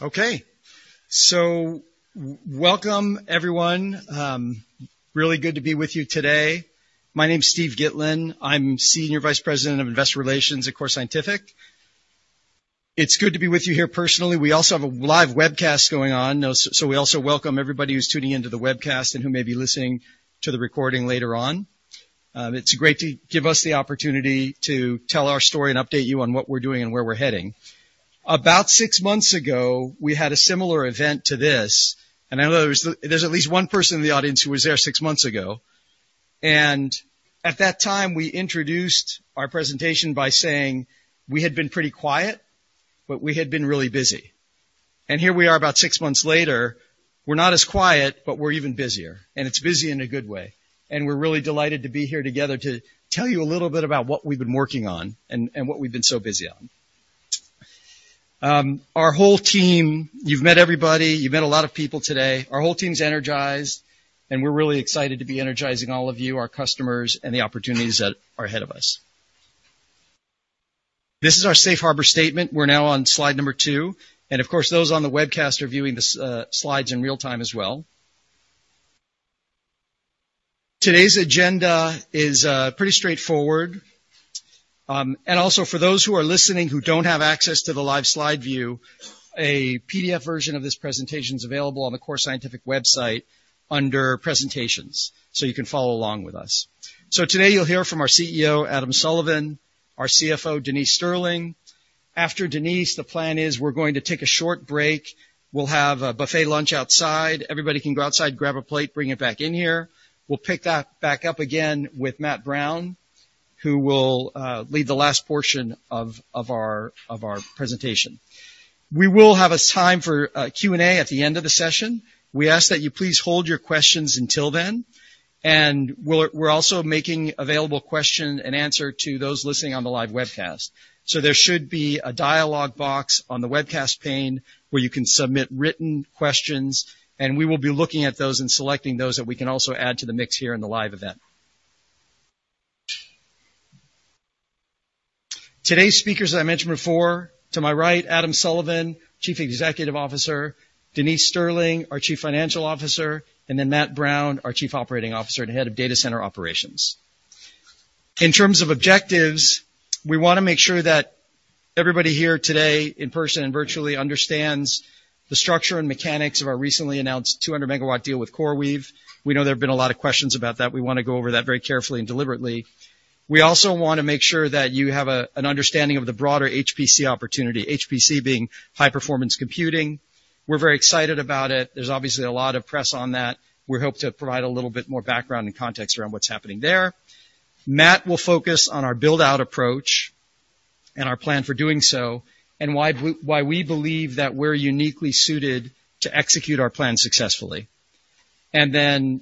Okay. Welcome everyone. Really good to be with you today. My name is Steve Gitlin. I'm Senior Vice President of Investor Relations at Core Scientific. It's good to be with you here personally. We also have a live webcast going on, so we also welcome everybody who's tuning in to the webcast and who may be listening to the recording later on. It's great to give us the opportunity to tell our story and update you on what we're doing and where we're heading. About six months ago, we had a similar event to this, and I know there's at least one person in the audience who was there six months ago. At that time, we introduced our presentation by saying we had been pretty quiet, but we had been really busy. And here we are about six months later, we're not as quiet, but we're even busier, and it's busy in a good way. We're really delighted to be here together to tell you a little bit about what we've been working on and, and what we've been so busy on. Our whole team, you've met everybody, you've met a lot of people today. Our whole team's energized, and we're really excited to be energizing all of you, our customers, and the opportunities that are ahead of us. This is our safe harbor statement. We're now on slide number two, and of course, those on the webcast are viewing the slides in real time as well. Today's agenda is pretty straight forward. And also for those who are listening who don't have access to the live slide view, a PDF version of this presentation is available on the Core Scientific website under presentations, so you can follow along with us. So today you'll hear from our CEO, Adam Sullivan, our CFO, Denise Sterling. After Denise, the plan is we're going to take a short break. We'll have a buffet lunch outside. Everybody can go outside, grab a plate, bring it back in here. We'll pick that back up again with Matt Brown, who will lead the last portion of our presentation. We will have a time for Q&A at the end of the session. We ask that you please hold your questions until then, and we're also making available question and answer to those listening on the live webcast. So there should be a dialog box on the webcast pane, where you can submit written questions, and we will be looking at those and selecting those that we can also add to the mix here in the live event. Today's speakers, as I mentioned before, to my right, Adam Sullivan, Chief Executive Officer, Denise Sterling, our Chief Financial Officer, and then Matt Brown, our Chief Operating Officer and Head of Data Center Operations. In terms of objectives, we want to make sure that everybody here today, in person and virtually, understands the structure and mechanics of our recently announced 200 MW deal with CoreWeave. We know there have been a lot of questions about that. We want to go over that very carefully and deliberately. We also want to make sure that you have a, an understanding of the broader HPC opportunity, HPC being high performance computing. We're very excited about it. There's obviously a lot of press on that. We hope to provide a little bit more background and context around what's happening there. Matt will focus on our build-out approach and our plan for doing so, and why we believe that we're uniquely suited to execute our plan successfully. And then,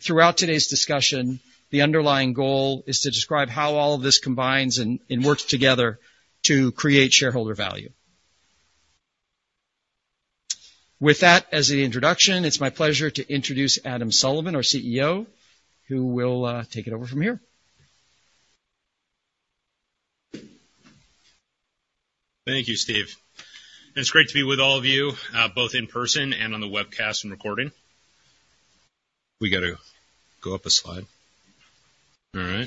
throughout today's discussion, the underlying goal is to describe how all of this combines and works together to create shareholder value. With that as the introduction, it's my pleasure to introduce Adam Sullivan, our CEO, who will take it over from here. Thank you, Steve. It's great to be with all of you, both in person and on the webcast and recording. We got to go up a slide. All right.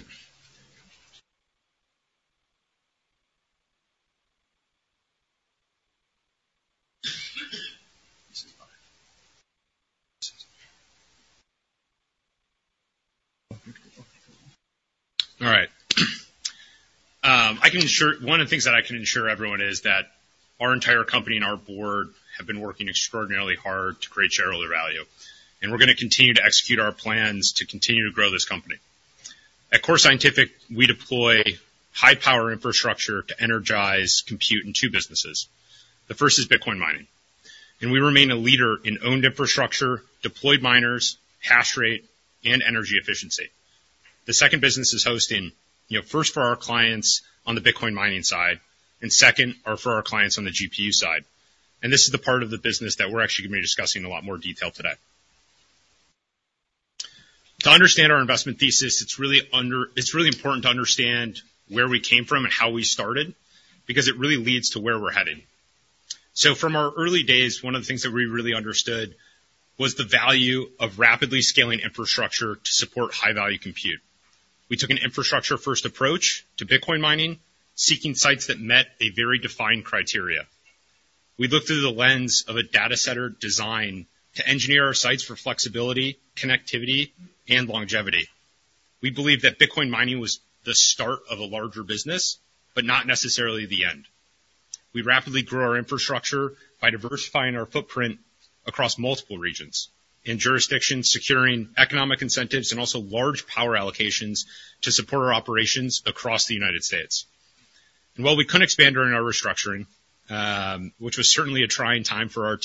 I can assure one of the things that I can assure everyone is that our entire company and our board have been working extraordinarily hard to create shareholder value, and we're gonna continue to execute our plans to continue to grow this company. At Core Scientific, we deploy high-power infrastructure to energize, compute in two businesses. The first is Bitcoin mining, and we remain a leader in owned infrastructure, deployed miners, hash rate, and energy efficiency. The second business is hosting, you know, first for our clients on the Bitcoin mining side, and second, are for our clients on the GPU side. This is the part of the business that we're actually going to be discussing in a lot more detail today. To understand our investment thesis, it's really important to understand where we came from and how we started, because it really leads to where we're headed. From our early days, one of the things that we really understood was the value of rapidly scaling infrastructure to support high-value compute. We took an infrastructure-first approach to Bitcoin mining, seeking sites that met a very defined criteria. We looked through the lens of a data center design to engineer our sites for flexibility, connectivity, and longevity. We believe that Bitcoin mining was the start of a larger business, but not necessarily the end. We rapidly grew our infrastructure by diversifying our footprint across multiple regions, in jurisdictions, securing economic incentives, and also large power allocations to support our operations across the United States. While we couldn't expand during our restructuring, which was certainly a trying time for our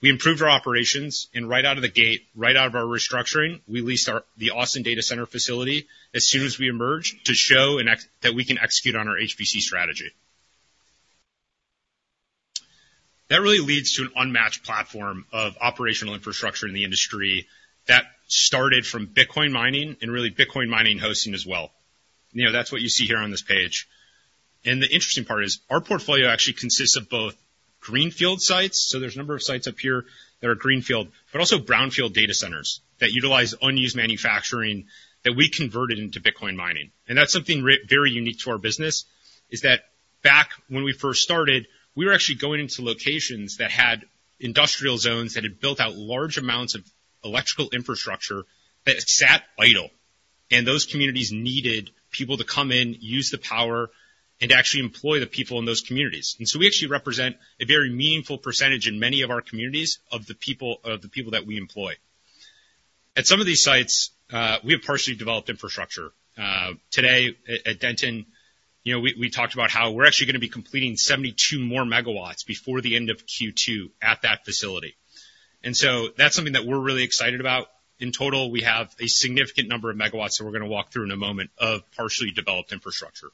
team, we improved our operations, and right out of the gate, right out of our restructuring, we leased the Austin Data Center facility as soon as we emerged to show an example that we can execute on our HPC strategy. That really leads to an unmatched platform of operational infrastructure in the industry that started from Bitcoin mining, and really Bitcoin mining hosting as well. You know, that's what you see here on this page. The interesting part is our portfolio actually consists of both greenfield sites, so there's a number of sites up here that are greenfield, but also brownfield data centers that utilize unused manufacturing that we converted into Bitcoin mining. That's something very unique to our business, is that back when we first started, we were actually going into locations that had industrial zones, that had built out large amounts of electrical infrastructure that sat idle, and those communities needed people to come in, use the power, and actually employ the people in those communities. So we actually represent a very meaningful percentage in many of our communities of the people, of the people that we employ. At some of these sites, we have partially developed infrastructure. Today at Denton, you know, we talked about how we're actually gonna be completing 72 more megawatts before the end of Q2 at that facility. And so that's something that we're really excited about. In total, we have a significant number of megawatts that we're gonna walk through in a moment, of partially developed infrastructure.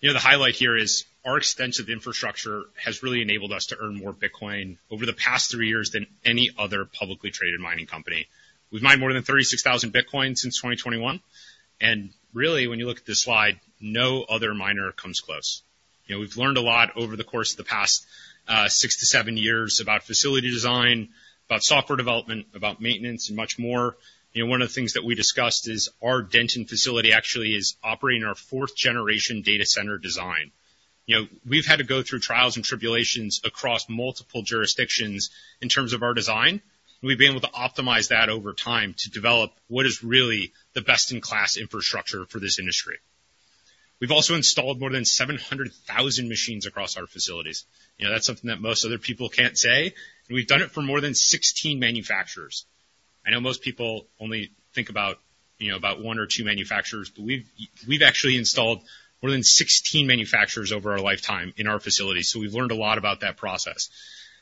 You know, the highlight here is our extensive infrastructure has really enabled us to earn more Bitcoin over the past three years than any other publicly traded mining company. We've mined more than 36,000 Bitcoin since 2021, and really, when you look at this slide, no other miner comes close. You know, we've learned a lot over the course of the past six to seven years about facility design, about software development, about maintenance, and much more. You know, one of the things that we discussed is our Denton facility actually is operating our fourth-generation data center design. You know, we've had to go through trials and tribulations across multiple jurisdictions in terms of our design. We've been able to optimize that over time to develop what is really the best-in-class infrastructure for this industry. We've also installed more than 700,000 machines across our facilities. You know, that's something that most other people can't say, and we've done it for more than 16 manufacturers. I know most people only think about, you know, about one or two manufacturers, but we've, we've actually installed more than 16 manufacturers over our lifetime in our facilities, so we've learned a lot about that process.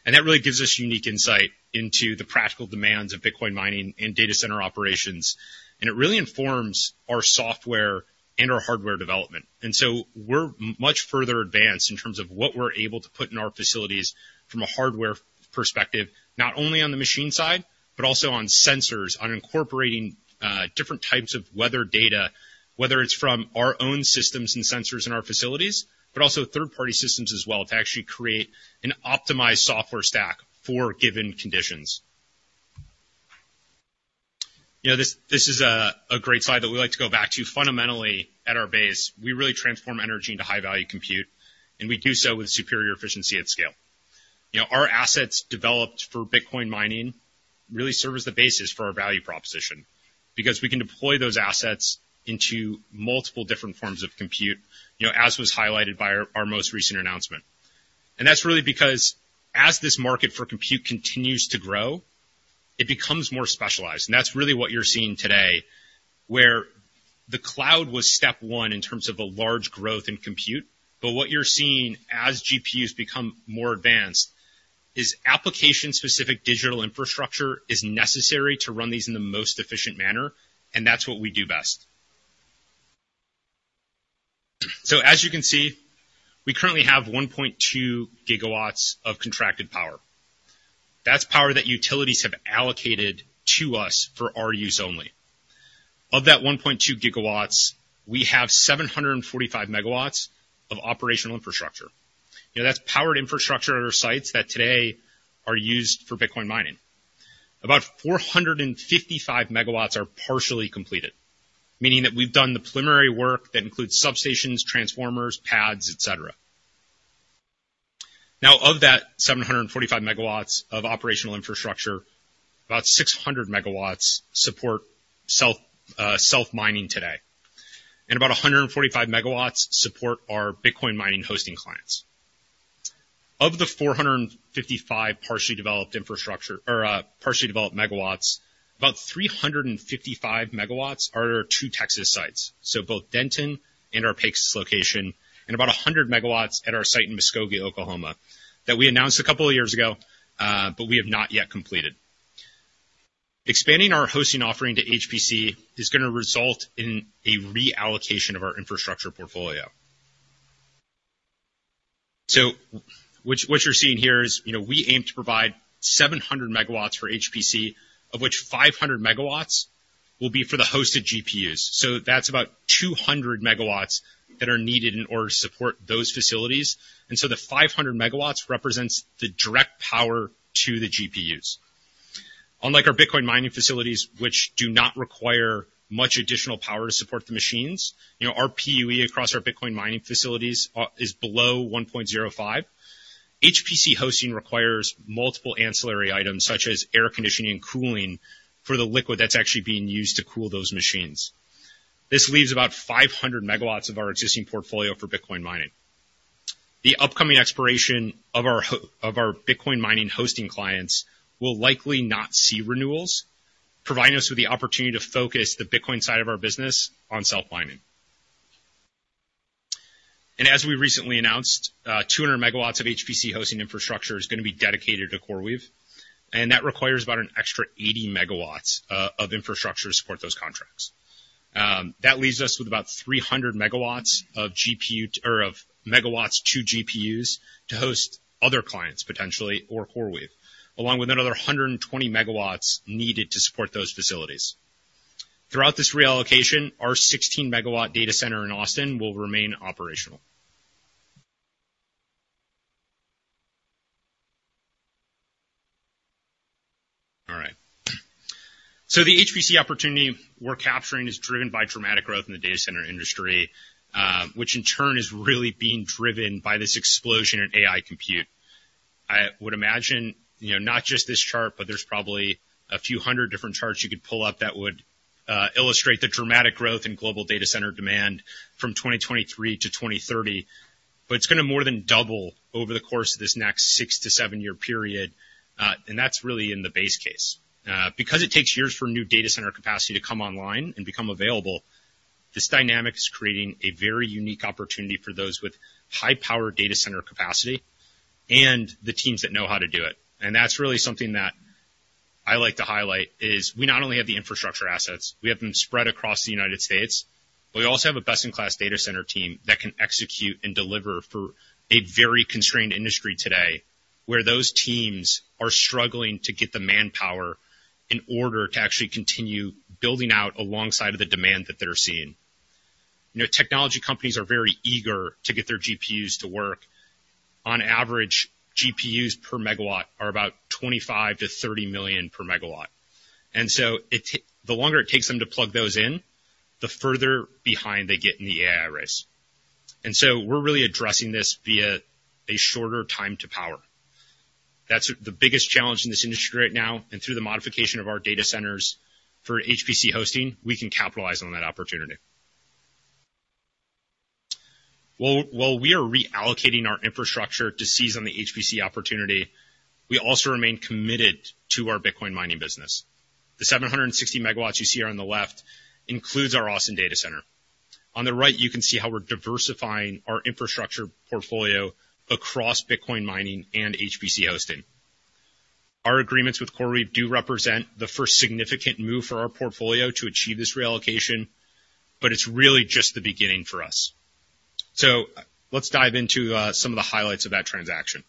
That really gives us unique insight into the practical demands of Bitcoin mining and data center operations, and it really informs our software and our hardware development. And so we're much further advanced in terms of what we're able to put in our facilities from a hardware perspective, not only on the machine side, but also on sensors, on incorporating different types of weather data, whether it's from our own systems and sensors in our facilities, but also third-party systems as well, to actually create an optimized software stack for given conditions. You know, this is a great slide that we like to go back to. Fundamentally, at our base, we really transform energy into high-value compute, and we do so with superior efficiency at scale. You know, our assets developed for Bitcoin mining really serve as the basis for our value proposition because we can deploy those assets into multiple different forms of compute, you know, as was highlighted by our, our most recent announcement. That's really because as this market for compute continues to grow, it becomes more specialized. That's really what you're seeing today, where the cloud was step one in terms of a large growth in compute, but what you're seeing as GPUs become more advanced is application-specific digital infrastructure is necessary to run these in the most efficient manner, and that's what we do best. So as you can see, we currently have 1.2 gigawatts of contracted power. That's power that utilities have allocated to us for our use only. Of that 1.2 gigawatts, we have 745 megawatts of operational infrastructure. You know, that's powered infrastructure at our sites that today are used for Bitcoin mining. About 455 megawatts are partially completed, meaning that we've done the preliminary work that includes substations, transformers, pads, et cetera. Now, of that 745 megawatts of operational infrastructure, about 600 megawatts support self-mining today, and about 145 megawatts support our Bitcoin mining hosting clients. Of the 455 partially developed infrastructure or partially developed megawatts, about 355 megawatts are our two Texas sites, so both Denton and our Pecos location, and about 100 megawatts at our site in Muskogee, Oklahoma, that we announced a couple of years ago, but we have not yet completed. Expanding our hosting offering to HPC is gonna result in a reallocation of our infrastructure portfolio. So what you're seeing here is, you know, we aim to provide 700 MW for HPC, of which 500 MW will be for the hosted GPUs. So that's about 200 MW that are needed in order to support those facilities, and so the 500 MW represents the direct power to the GPUs. Unlike our Bitcoin mining facilities, which do not require much additional power to support the machines, you know, our PUE across our Bitcoin mining facilities is below 1.05. HPC hosting requires multiple ancillary items, such as air conditioning and cooling, for the liquid that's actually being used to cool those machines. This leaves about 500 MW of our existing portfolio for Bitcoin mining. The upcoming expiration of our of our Bitcoin mining hosting clients will likely not see renewals, providing us with the opportunity to focus the Bitcoin side of our business on self-mining. As we recently announced, two hundred megawatts of HPC hosting infrastructure is gonna be dedicated to CoreWeave, and that requires about an extra eighty megawatts of infrastructure to support those contracts. That leaves us with about three hundred megawatts of GPU or of megawatts to GPUs to host other clients potentially, or CoreWeave, along with another hundred and twenty megawatts needed to support those facilities. Throughout this reallocation, our sixteen-megawatt data center in Austin will remain operational. All right. The HPC opportunity we're capturing is driven by dramatic growth in the data center industry, which in turn is really being driven by this explosion in AI compute. I would imagine, you know, not just this chart, but there's probably a few hundred different charts you could pull up that would illustrate the dramatic growth in global data center demand from 2023 to 2030. But it's going to more than double over the course of this next 6-7-year period, and that's really in the base case. Because it takes years for new data center capacity to come online and become available, this dynamic is creating a very unique opportunity for those with high-power data center capacity and the teams that know how to do it. That's really something that I like to highlight, is we not only have the infrastructure assets, we have them spread across the United States, but we also have a best-in-class data center team that can execute and deliver for a very constrained industry today, where those teams are struggling to get the manpower in order to actually continue building out alongside of the demand that they're seeing. You know, technology companies are very eager to get their GPUs to work. On average, GPUs per megawatt are about 25-30 million per megawatt, and so the longer it takes them to plug those in, the further behind they get in the AI race. So we're really addressing this via a shorter time to power. That's the biggest challenge in this industry right now, and through the modification of our data centers for HPC hosting, we can capitalize on that opportunity. While we are reallocating our infrastructure to seize on the HPC opportunity, we also remain committed to our Bitcoin mining business. The 760 megawatts you see here on the left includes our Austin data center. On the right, you can see how we're diversifying our infrastructure portfolio across Bitcoin mining and HPC hosting. Our agreements with CoreWeave do represent the first significant move for our portfolio to achieve this reallocation, but it's really just the beginning for us. So let's dive into some of the highlights of that transaction.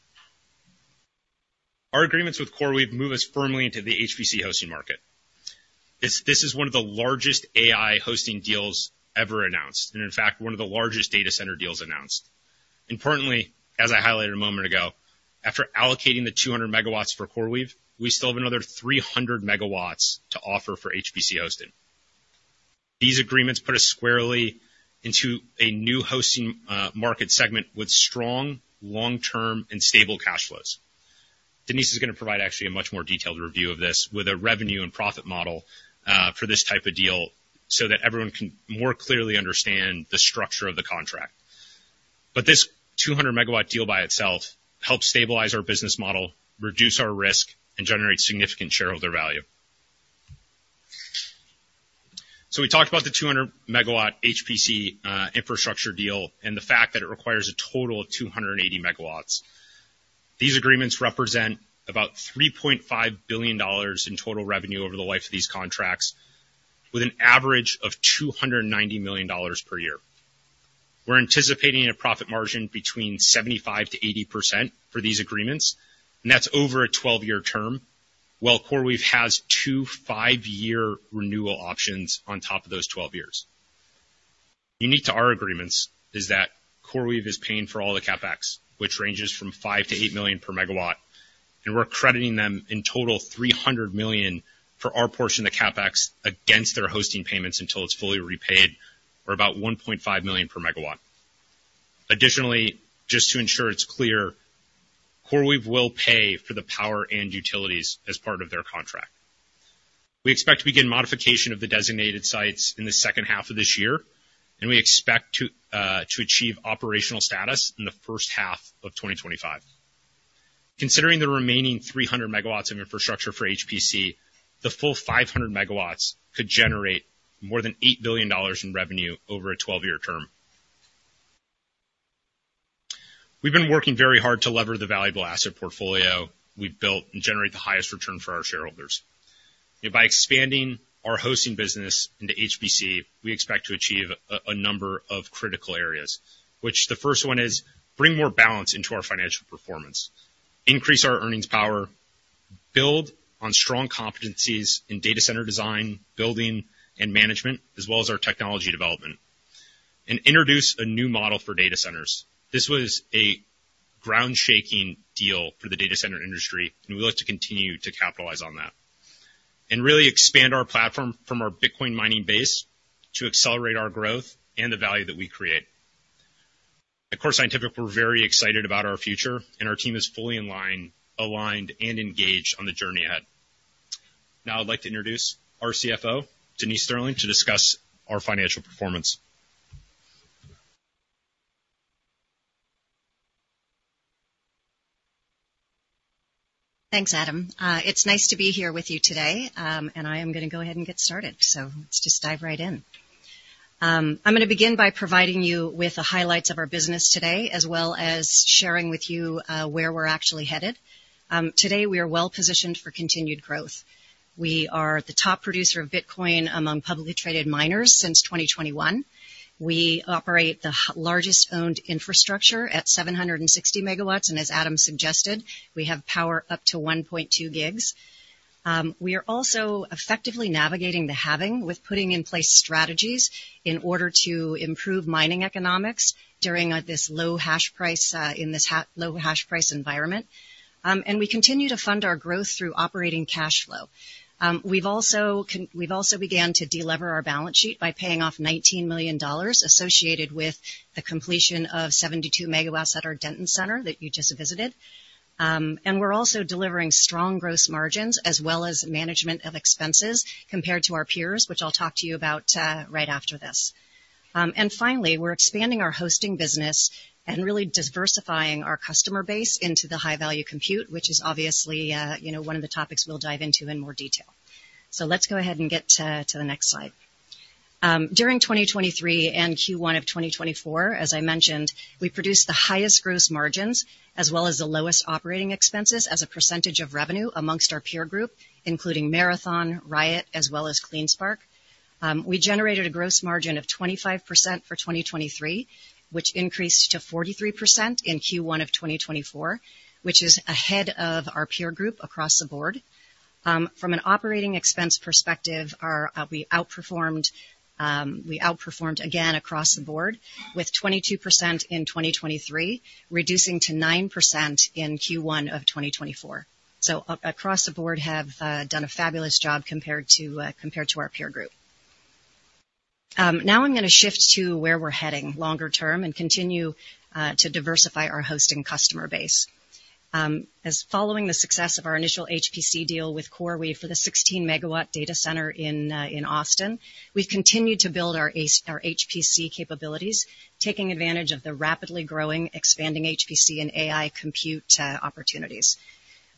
Our agreements with CoreWeave move us firmly into the HPC hosting market. This, this is one of the largest AI hosting deals ever announced, and in fact, one of the largest data center deals announced. Importantly, as I highlighted a moment ago, after allocating the 200 MW for CoreWeave, we still have another 300 MW to offer for HPC hosting. These agreements put us squarely into a new hosting market segment with strong, long-term, and stable cash flows. Denise is going to provide actually a much more detailed review of this, with a revenue and profit model for this type of deal, so that everyone can more clearly understand the structure of the contract. This 200 MW deal by itself helps stabilize our business model, reduce our risk, and generate significant shareholder value. So we talked about the 200-megawatt HPC infrastructure deal and the fact that it requires a total of 280 megawatts. These agreements represent about $3.5 billion in total revenue over the life of these contracts, with an average of $290 million per year. We're anticipating a profit margin between 75%-80% for these agreements, and that's over a 12-year term, while CoreWeave has two 5-year renewal options on top of those 12 years. Unique to our agreements is that CoreWeave is paying for all the CapEx, which ranges from $5 million-$8 million per megawatt, and we're crediting them in total $300 million for our portion of the CapEx against their hosting payments until it's fully repaid, or about $1.5 million per megawatt. Additionally, just to ensure it's clear, CoreWeave will pay for the power and utilities as part of their contract. We expect to begin modification of the designated sites in the second half of this year, and we expect to achieve operational status in the first half of 2025. Considering the remaining 300 MW of infrastructure for HPC, the full 500 MW could generate more than $8 billion in revenue over a 12-year term. We've been working very hard to lever the valuable asset portfolio we've built and generate the highest return for our shareholders. By expanding our hosting business into HPC, we expect to achieve a number of critical areas, which the first one is: bring more balance into our financial performance, increase our earnings power, build on strong competencies in data center design, building, and management, as well as our technology development, and introduce a new model for data centers. This was a ground-shaking deal for the data center industry, and we look to continue to capitalize on that. Really expand our platform from our Bitcoin mining base to accelerate our growth and the value that we create. At Core Scientific, we're very excited about our future, and our team is fully in line, aligned, and engaged on the journey ahead. Now, I'd like to introduce our CFO, Denise Sterling, to discuss our financial performance. Thanks, Adam. It's nice to be here with you today, and I am going to go ahead and get started. Let's just dive right in. I'm going to begin by providing you with the highlights of our business today, as well as sharing with you where we're actually headed. Today, we are well positioned for continued growth. We are the top producer of Bitcoin among publicly traded miners since 2021. We operate the largest owned infrastructure at 760 megawatts, and as Adam suggested, we have power up to 1.2 gigawatts. We are also effectively navigating the halving with putting in place strategies in order to improve mining economics during this low hash price environment. And we continue to fund our growth through operating cash flow. We've also began to delever our balance sheet by paying off $19 million associated with the completion of 72 MW at our Denton center that you just visited. And we're also delivering strong gross margins as well as management of expenses compared to our peers, which I'll talk to you about right after this. And finally, we're expanding our hosting business and really diversifying our customer base into the high-value compute, which is obviously, you know, one of the topics we'll dive into in more detail. So let's go ahead and get to the next slide. During 2023 and Q1 of 2024, as I mentioned, we produced the highest gross margins as well as the lowest operating expenses as a percentage of revenue among our peer group, including Marathon, Riot, as well as CleanSpark. We generated a gross margin of 25% for 2023, which increased to 43% in Q1 of 2024, which is ahead of our peer group across the board. From an operating expense perspective, our, we outperformed, we outperformed again across the board with 22% in 2023, reducing to 9% in Q1 of 2024. So across the board, have done a fabulous job compared to, compared to our peer group. Now I'm gonna shift to where we're heading longer term and continue to diversify our hosting customer base. As following the success of our initial HPC deal with CoreWeave for the 16-megawatt data center in, in Austin, we've continued to build our our HPC capabilities, taking advantage of the rapidly growing, expanding HPC and AI compute, opportunities.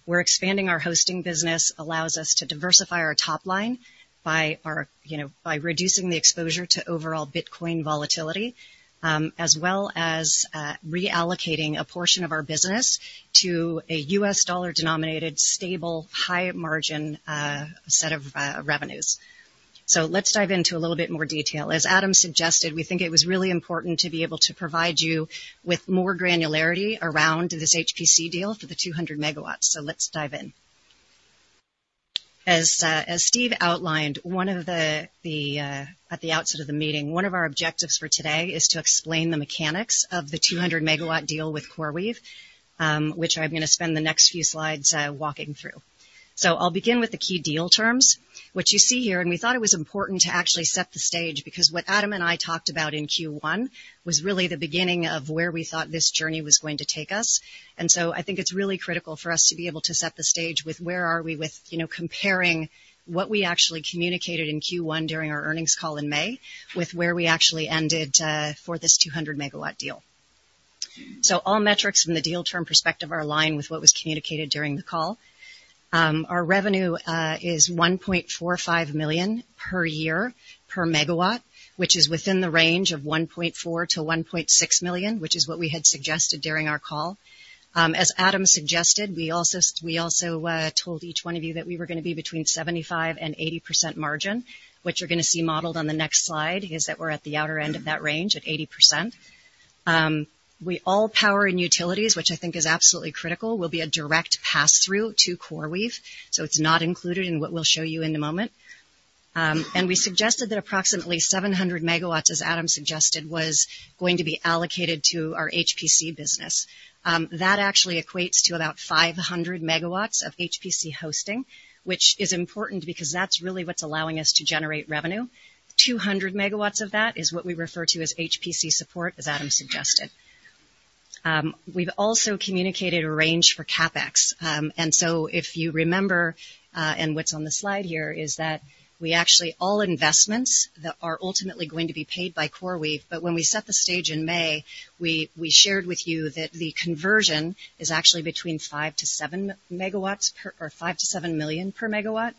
We're expanding our hosting business, allows us to diversify our top line by... you know, by reducing the exposure to overall Bitcoin volatility, as well as, reallocating a portion of our business to a U.S. dollar-denominated, stable, high-margin, set of, revenues. So let's dive into a little bit more detail. As Adam suggested, we think it was really important to be able to provide you with more granularity around this HPC deal for the 200 MW. So let's dive in. As Steve outlined, one of the at the outset of the meeting, one of our objectives for today is to explain the mechanics of the 200 MW deal with CoreWeave, which I'm gonna spend the next few slides, walking through. So I'll begin with the key deal terms. What you see here, and we thought it was important to actually set the stage, because what Adam and I talked about in Q1 was really the beginning of where we thought this journey was going to take us. And so I think it's really critical for us to be able to set the stage with where are we with, you know, comparing what we actually communicated in Q1 during our earnings call in May, with where we actually ended for this 200-MW deal. So all metrics from the deal term perspective are aligned with what was communicated during the call. Our revenue is $1.45 million per year per MW, which is within the range of $1.4-$1.6 million, which is what we had suggested during our call. As Adam suggested, we also told each one of you that we were gonna be between 75% and 80% margin. What you're gonna see modeled on the next slide is that we're at the outer end of that range, at 80%. All power and utilities, which I think is absolutely critical, will be a direct pass-through to CoreWeave, so it's not included in what we'll show you in a moment. We suggested that approximately 700 megawatts, as Adam suggested, was going to be allocated to our HPC business. That actually equates to about 500 megawatts of HPC hosting, which is important because that's really what's allowing us to generate revenue. 200 megawatts of that is what we refer to as HPC support, as Adam suggested. We've also communicated a range for CapEx. So if you remember, and what's on the slide here is that we actually all investments that are ultimately going to be paid by CoreWeave, but when we set the stage in May, we shared with you that the conversion is actually between 5-7 megawatts per or $5-$7 million per megawatt.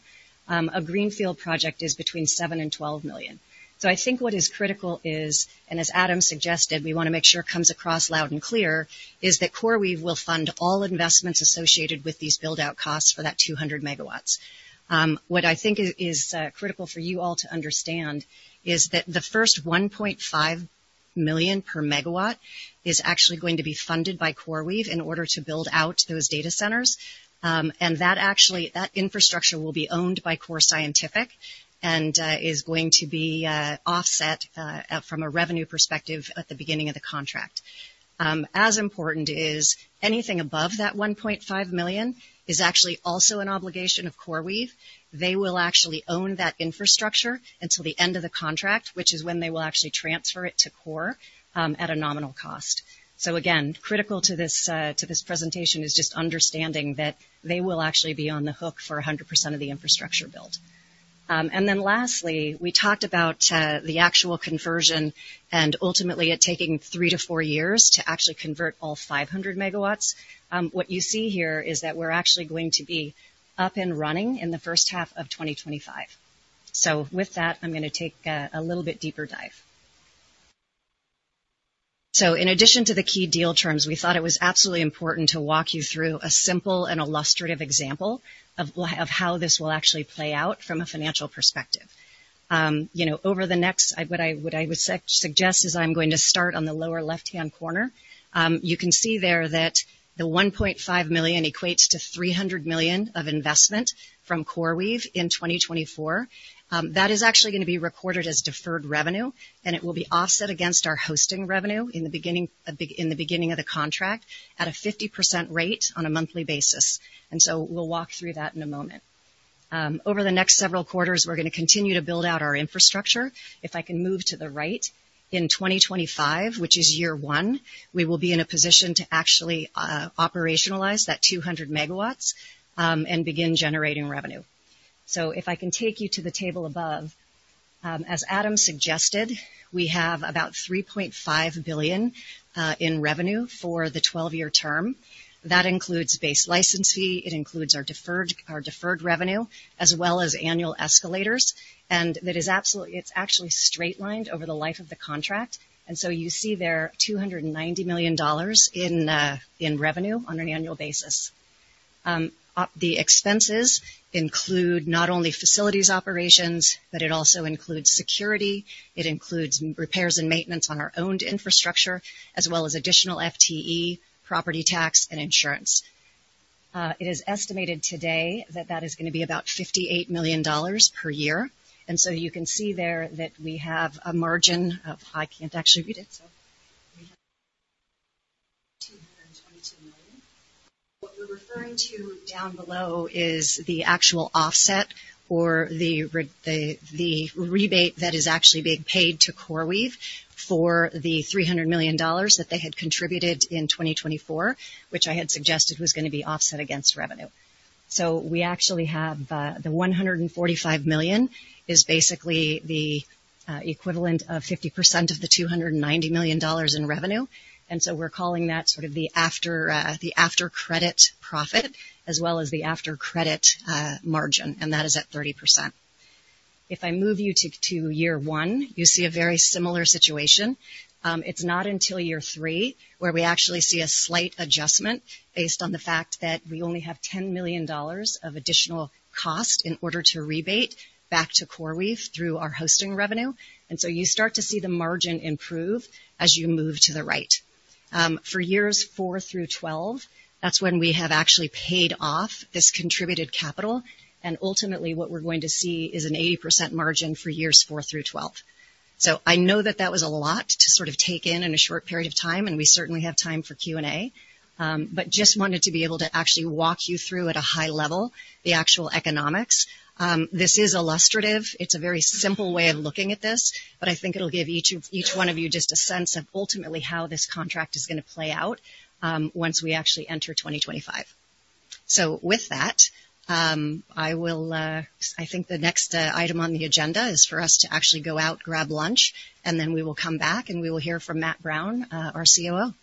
A greenfield project is between $7 million and $12 million. So I think what is critical is, and as Adam suggested, we wanna make sure comes across loud and clear, is that CoreWeave will fund all investments associated with these build-out costs for that 200 megawatts. What I think is critical for you all to understand is that the first $1.5 million per megawatt is actually going to be funded by CoreWeave in order to build out those data centers. And that actually, that infrastructure will be owned by Core Scientific and is going to be offset from a revenue perspective at the beginning of the contract. As important is anything above that $1.5 million is actually also an obligation of CoreWeave. They will actually own that infrastructure until the end of the contract, which is when they will actually transfer it to Core at a nominal cost. So again, critical to this, to this presentation is just understanding that they will actually be on the hook for 100% of the infrastructure build. And then lastly, we talked about the actual conversion and ultimately it taking 3-4 years to actually convert all 500 MW. What you see here is that we're actually going to be up and running in the first half of 2025. So with that, I'm gonna take a little bit deeper dive. So in addition to the key deal terms, we thought it was absolutely important to walk you through a simple and illustrative example of how this will actually play out from a financial perspective. You know, over the next, what I would suggest is I'm going to start on the lower left-hand corner. You can see there that the 1.5 million equates to $300 million of investment from CoreWeave in 2024. That is actually going to be recorded as deferred revenue, and it will be offset against our hosting revenue in the beginning of the contract at a 50% rate on a monthly basis. So we'll walk through that in a moment. Over the next several quarters, we're going to continue to build out our infrastructure. If I can move to the right, in 2025, which is year one, we will be in a position to actually operationalize that 200 MW, and begin generating revenue. So if I can take you to the table above, as Adam suggested, we have about $3.5 billion in revenue for the 12-year term. That includes base license fee, it includes our deferred revenue, as well as annual escalators. That is absolutely. It's actually straight-lined over the life of the contract, and so you see there $290 million in revenue on an annual basis. The expenses include not only facilities operations, but it also includes security, it includes repairs and maintenance on our owned infrastructure, as well as additional FTE, property tax, and insurance. It is estimated today that that is going to be about $58 million per year. And so you can see there that we have a margin of... I can't actually read it, so $222 million. What we're referring to down below is the actual offset or the rebate that is actually being paid to CoreWeave for the $300 million that they had contributed in 2024, which I had suggested was going to be offset against revenue. So we actually have, the $145 million is basically the equivalent of 50% of the $290 million in revenue, and so we're calling that sort of the after the after-credit profit, as well as the after-credit margin, and that is at 30%. If I move you to year one, you see a very similar situation. It's not until year 3 where we actually see a slight adjustment based on the fact that we only have $10 million of additional cost in order to rebate back to CoreWeave through our hosting revenue. And so you start to see the margin improve as you move to the right. For years 4 through 12, that's when we have actually paid off this contributed capital, and ultimately, what we're going to see is an 80% margin for years 4 through 12. So I know that that was a lot to sort of take in in a short period of time, and we certainly have time for Q&A, but just wanted to be able to actually walk you through, at a high level, the actual economics. This is illustrative. It's a very simple way of looking at this, but I think it'll give each one of you just a sense of ultimately how this contract is going to play out, once we actually enter 2025. So with that, I think the next item on the agenda is for us to actually go out, grab lunch, and then we will come back and we will hear from Matt Brown, our COO. ...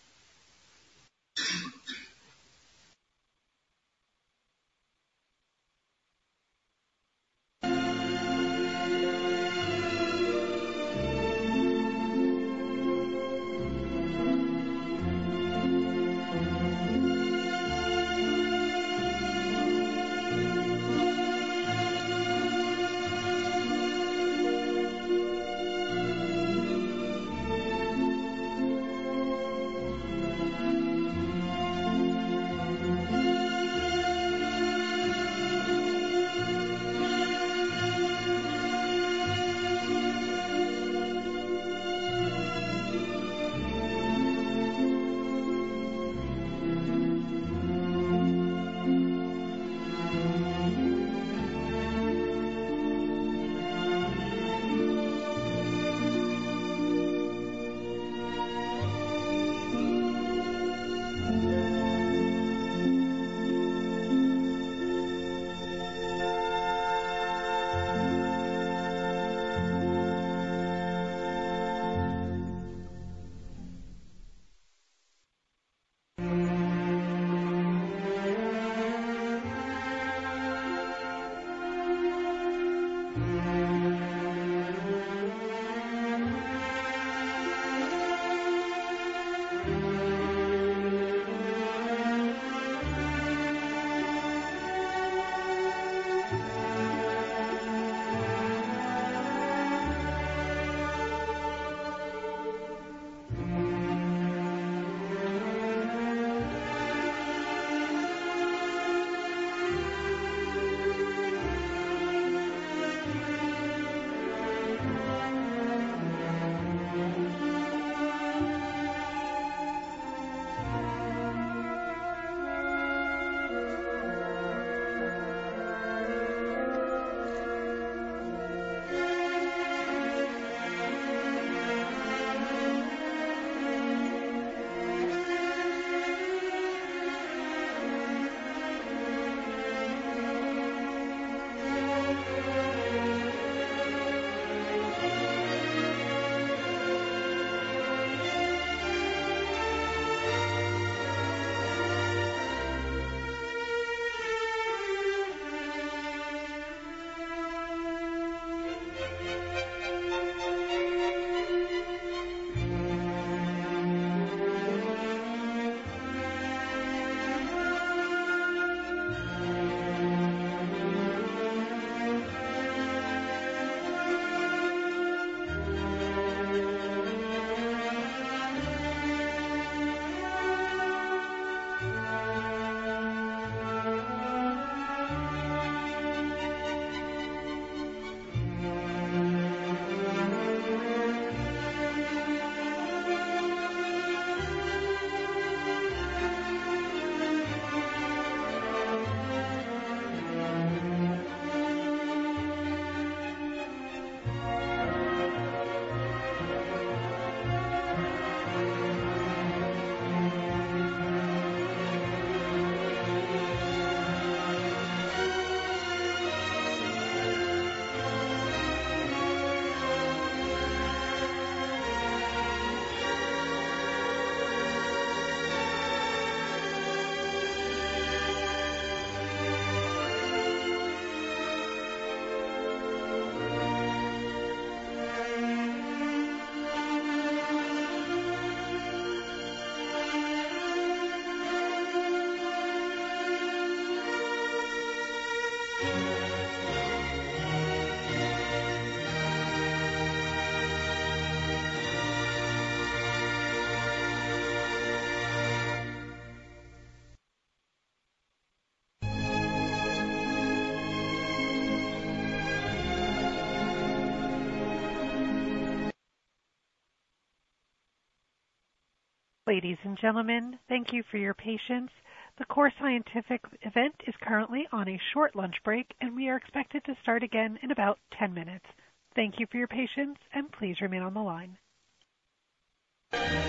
Okay,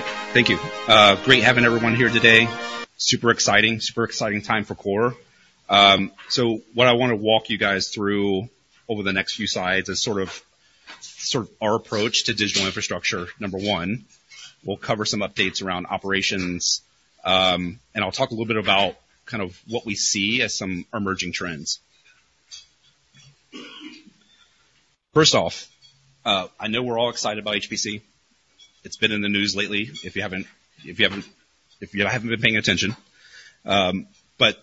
thank you. Great having everyone here today. Super exciting. Super exciting time for Core. So what I want to walk you guys through over the next few slides is sort of, sort of our approach to digital infrastructure, number one. We'll cover some updates around operations, and I'll talk a little bit about kind of what we see as some emerging trends. First off, I know we're all excited about HPC. It's been in the news lately, if you haven't been paying attention. But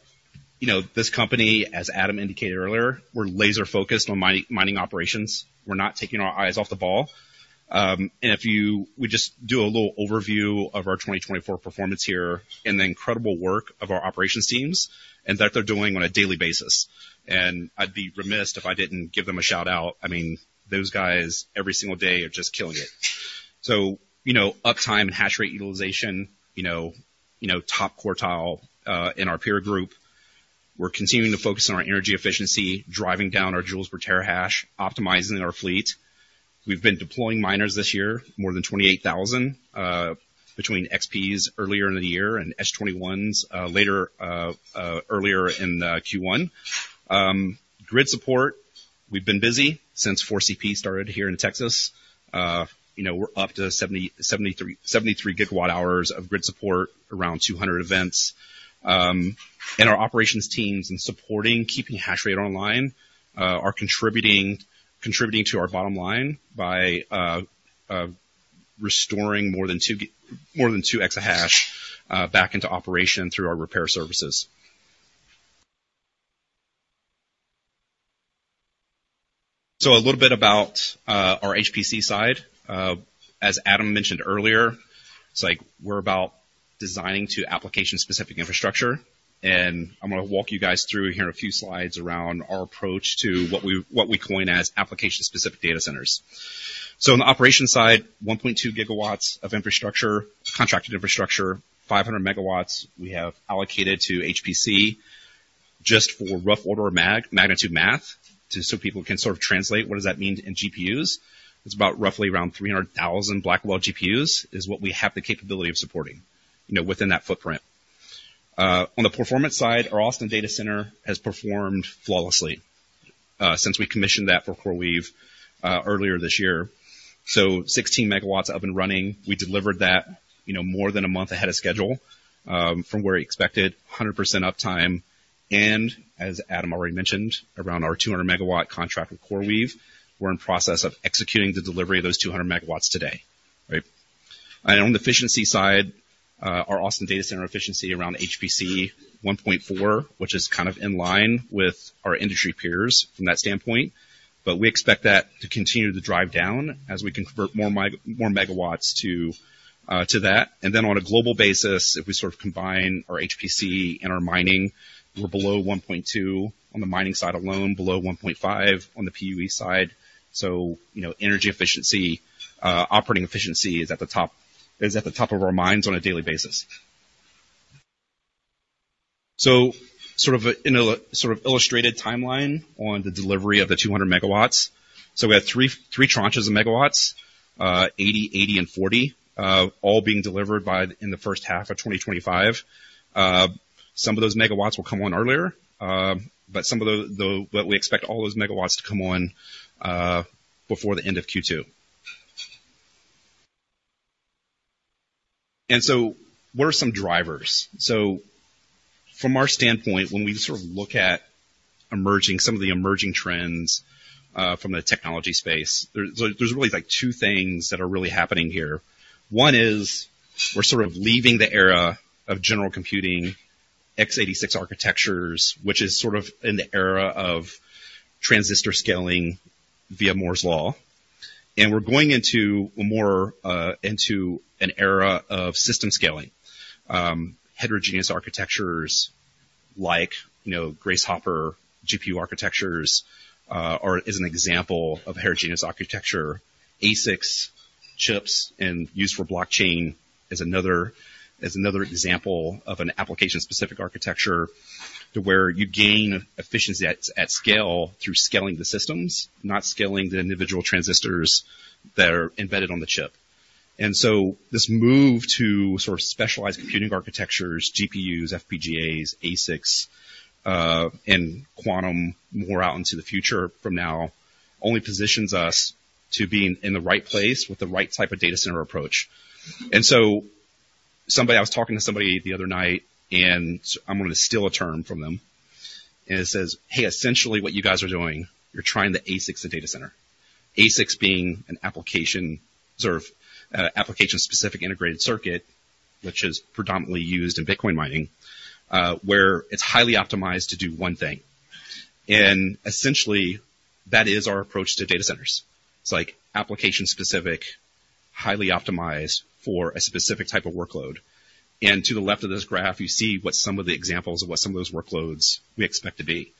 you know, this company, as Adam indicated earlier, we're laser-focused on mining, mining operations. We're not taking our eyes off the ball. And if you... We just do a little overview of our 2024 performance here and the incredible work of our operations teams, and that they're doing on a daily basis. I'd be remiss if I didn't give them a shout-out. I mean, those guys, every single day, are just killing it. So, you know, uptime and hash rate utilization, you know, you know, top quartile in our peer group. We're continuing to focus on our energy efficiency, driving down our joules per terahash, optimizing our fleet. We've been deploying miners this year, more than 28,000 between XPs earlier in the year and S21s later earlier in Q1. Grid support, we've been busy since 4CP started here in Texas. You know, we're up to 73 GWh of grid support, around 200 events. And our operations teams in supporting keeping hash rate online are contributing to our bottom line by restoring more than 2 exahash back into operation through our repair services. So a little bit about our HPC side. As Adam mentioned earlier, it's like we're about designing to application-specific infrastructure, and I'm gonna walk you guys through here a few slides around our approach to what we coin as application-specific data centers. So on the operations side, 1.2 gigawatts of infrastructure, contracted infrastructure, 500 megawatts we have allocated to HPC just for rough order of magnitude math, just so people can sort of translate what does that mean in GPUs. It's about roughly around 300,000 Blackwell GPUs, is what we have the capability of supporting, you know, within that footprint. On the performance side, our Austin data center has performed flawlessly since we commissioned that for CoreWeave earlier this year. So 16 MW up and running. We delivered that, you know, more than a month ahead of schedule from where we expected. 100% uptime, and as Adam already mentioned, around our 200-MW contract with CoreWeave, we're in process of executing the delivery of those 200 MW today. Right? And on the efficiency side, our Austin data center efficiency around HPC 1.4, which is kind of in line with our industry peers from that standpoint, but we expect that to continue to drive down as we convert more megawatts to that. And then on a global basis, if we sort of combine our HPC and our mining, we're below 1.2 on the mining side alone, below 1.5 on the PUE side. So, you know, energy efficiency, operating efficiency is at the top, is at the top of our minds on a daily basis. So sort of illustrated timeline on the delivery of the 200 MW. So we have three tranches of MW, 80, 80, and 40, all being delivered in the first half of 2025. Some of those MW will come on earlier, but we expect all those MW to come on before the end of Q2. And so what are some drivers? So from our standpoint, when we sort of look at emerging, some of the emerging trends, from a technology space, there, there's really, like, two things that are really happening here. One is, we're sort of leaving the era of general computing x86 architectures, which is sort of in the era of transistor scaling via Moore's Law, and we're going into more, into an era of system scaling, heterogeneous architectures like, you know, Grace Hopper, GPU architectures, is an example of a heterogeneous architecture. ASICs chips and used for blockchain is another, is another example of an application-specific architecture, to where you gain efficiency at scale through scaling the systems, not scaling the individual transistors that are embedded on the chip. And so this move to sort of specialized computing architectures, GPUs, FPGAs, ASICs, and quantum, more out into the future from now, only positions us to being in the right place with the right type of data center approach. And so somebody—I was talking to somebody the other night, and I'm going to steal a term from them, and it says, "Hey, essentially what you guys are doing, you're trying the ASICs of data center." ASICs being an application, sort of, application-specific integrated circuit, which is predominantly used in Bitcoin mining, where it's highly optimized to do one thing. And essentially, that is our approach to data centers. It's like application-specific, highly optimized for a specific type of workload.... And to the left of this graph, you see what some of the examples of what some of those workloads we expect to be.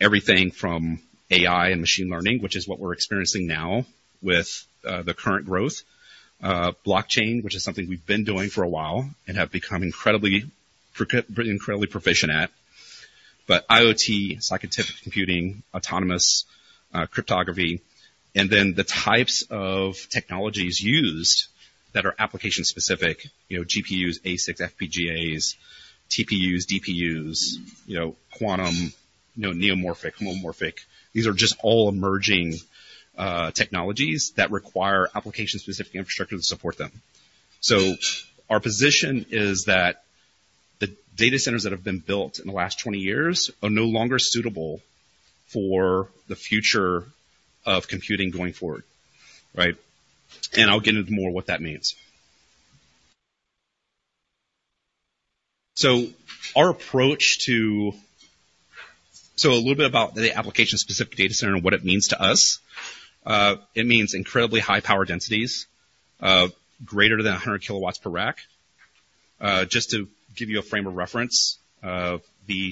Everything from AI and machine learning, which is what we're experiencing now with the current growth. Blockchain, which is something we've been doing for a while and have become incredibly proficient at. But IoT, scientific computing, autonomous cryptography, and then the types of technologies used that are application-specific, you know, GPUs, ASICs, FPGAs, TPUs, DPUs, you know, quantum, you know, neuromorphic, homomorphic. These are just all emerging technologies that require application-specific infrastructure to support them. So our position is that the data centers that have been built in the last 20 years are no longer suitable for the future of computing going forward, right? And I'll get into more what that means. So our approach to... So a little bit about the application-specific data center and what it means to us. It means incredibly high power densities, greater than 100 kilowatts per rack. Just to give you a frame of reference, the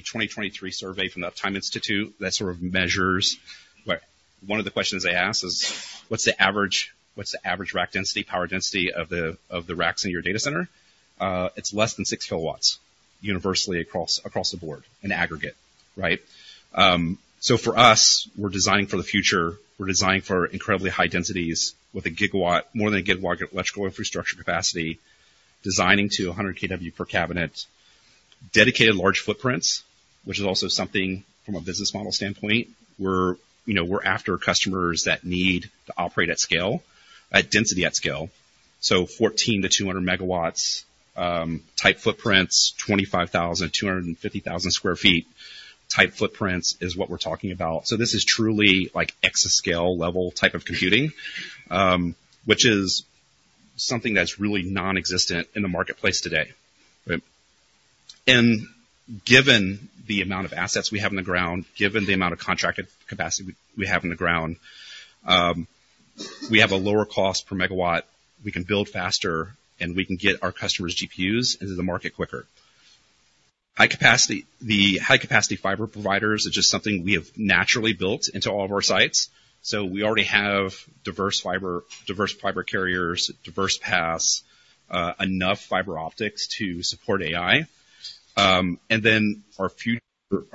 2023 survey from the Uptime Institute, that sort of measures, like, one of the questions they ask is: What's the average, what's the average rack density, power density of the, of the racks in your data center? It's less than six kilowatts universally across, across the board, in aggregate, right? So for us, we're designing for the future. We're designing for incredibly high densities with a gigawatt, more than a gigawatt electrical infrastructure capacity, designing to 100 kW per cabinet. Dedicated large footprints, which is also something from a business model standpoint. We're, you know, we're after customers that need to operate at scale, at density at scale. 14-200 MW type footprints, 25,000-250,000 sq ft type footprints is what we're talking about. This is truly like exascale level type of computing, which is something that's really non-existent in the marketplace today, right? Given the amount of assets we have in the ground, given the amount of contracted capacity we, we have in the ground, we have a lower cost per MW. We can build faster, and we can get our customers' GPUs into the market quicker. High capacity. The high-capacity fiber providers is just something we have naturally built into all of our sites. We already have diverse fiber, diverse fiber carriers, diverse paths, enough fiber optics to support AI. Our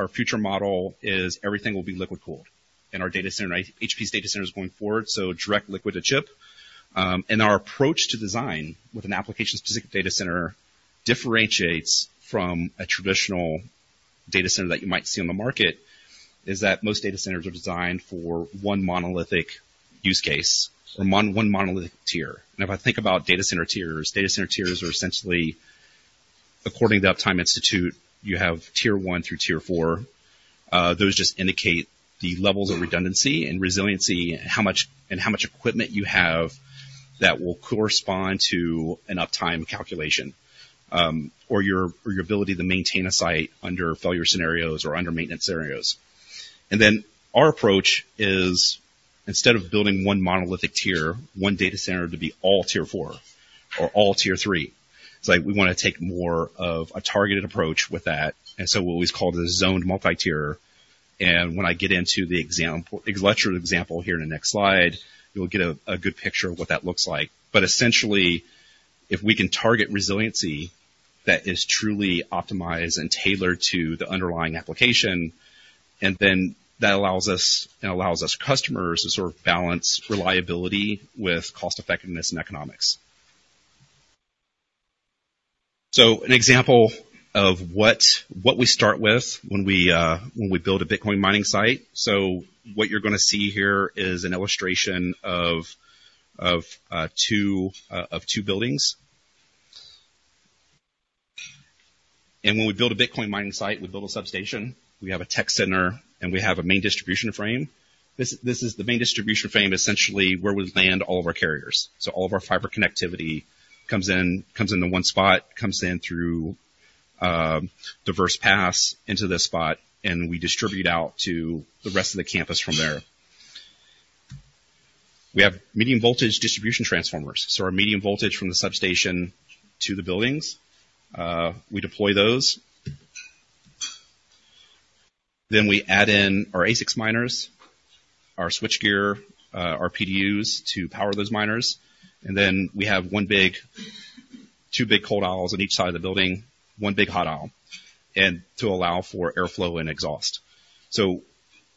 future model is everything will be liquid-cooled in our data centers, HPC's data centers going forward, so direct liquid to chip. Our approach to design with an application-specific data center differentiates from a traditional data center that you might see on the market, is that most data centers are designed for one monolithic use case or one monolithic tier. Now, if I think about data center tiers, data center tiers are essentially according to Uptime Institute, you have Tier One through Tier Four. Those just indicate the levels of redundancy and resiliency, and how much, and how much equipment you have that will correspond to an uptime calculation, or your, or your ability to maintain a site under failure scenarios or under maintenance scenarios. Our approach is, instead of building one monolithic tier, one data center to be all Tier Four or all Tier Three, it's like we want to take more of a targeted approach with that, and so what we've called it a zoned multi-tier. When I get into the example, illustrative example here in the next slide, you'll get a good picture of what that looks like. But essentially, if we can target resiliency that is truly optimized and tailored to the underlying application, and then that allows us, and allows us customers to sort of balance reliability with cost effectiveness and economics. An example of what we start with when we build a Bitcoin mining site. What you're going to see here is an illustration of two of two buildings. When we build a Bitcoin mining site, we build a substation, we have a tech center, and we have a main distribution frame. This is the main distribution frame, essentially, where we land all of our carriers. So all of our fiber connectivity comes in, comes into one spot, comes in through diverse paths into this spot, and we distribute out to the rest of the campus from there. We have medium voltage distribution transformers, so our medium voltage from the substation to the buildings, we deploy those. Then we add in our ASIC miners, our switchgear, our PDUs to power those miners, and then we have two big cold aisles on each side of the building, one big hot aisle, and to allow for airflow and exhaust. So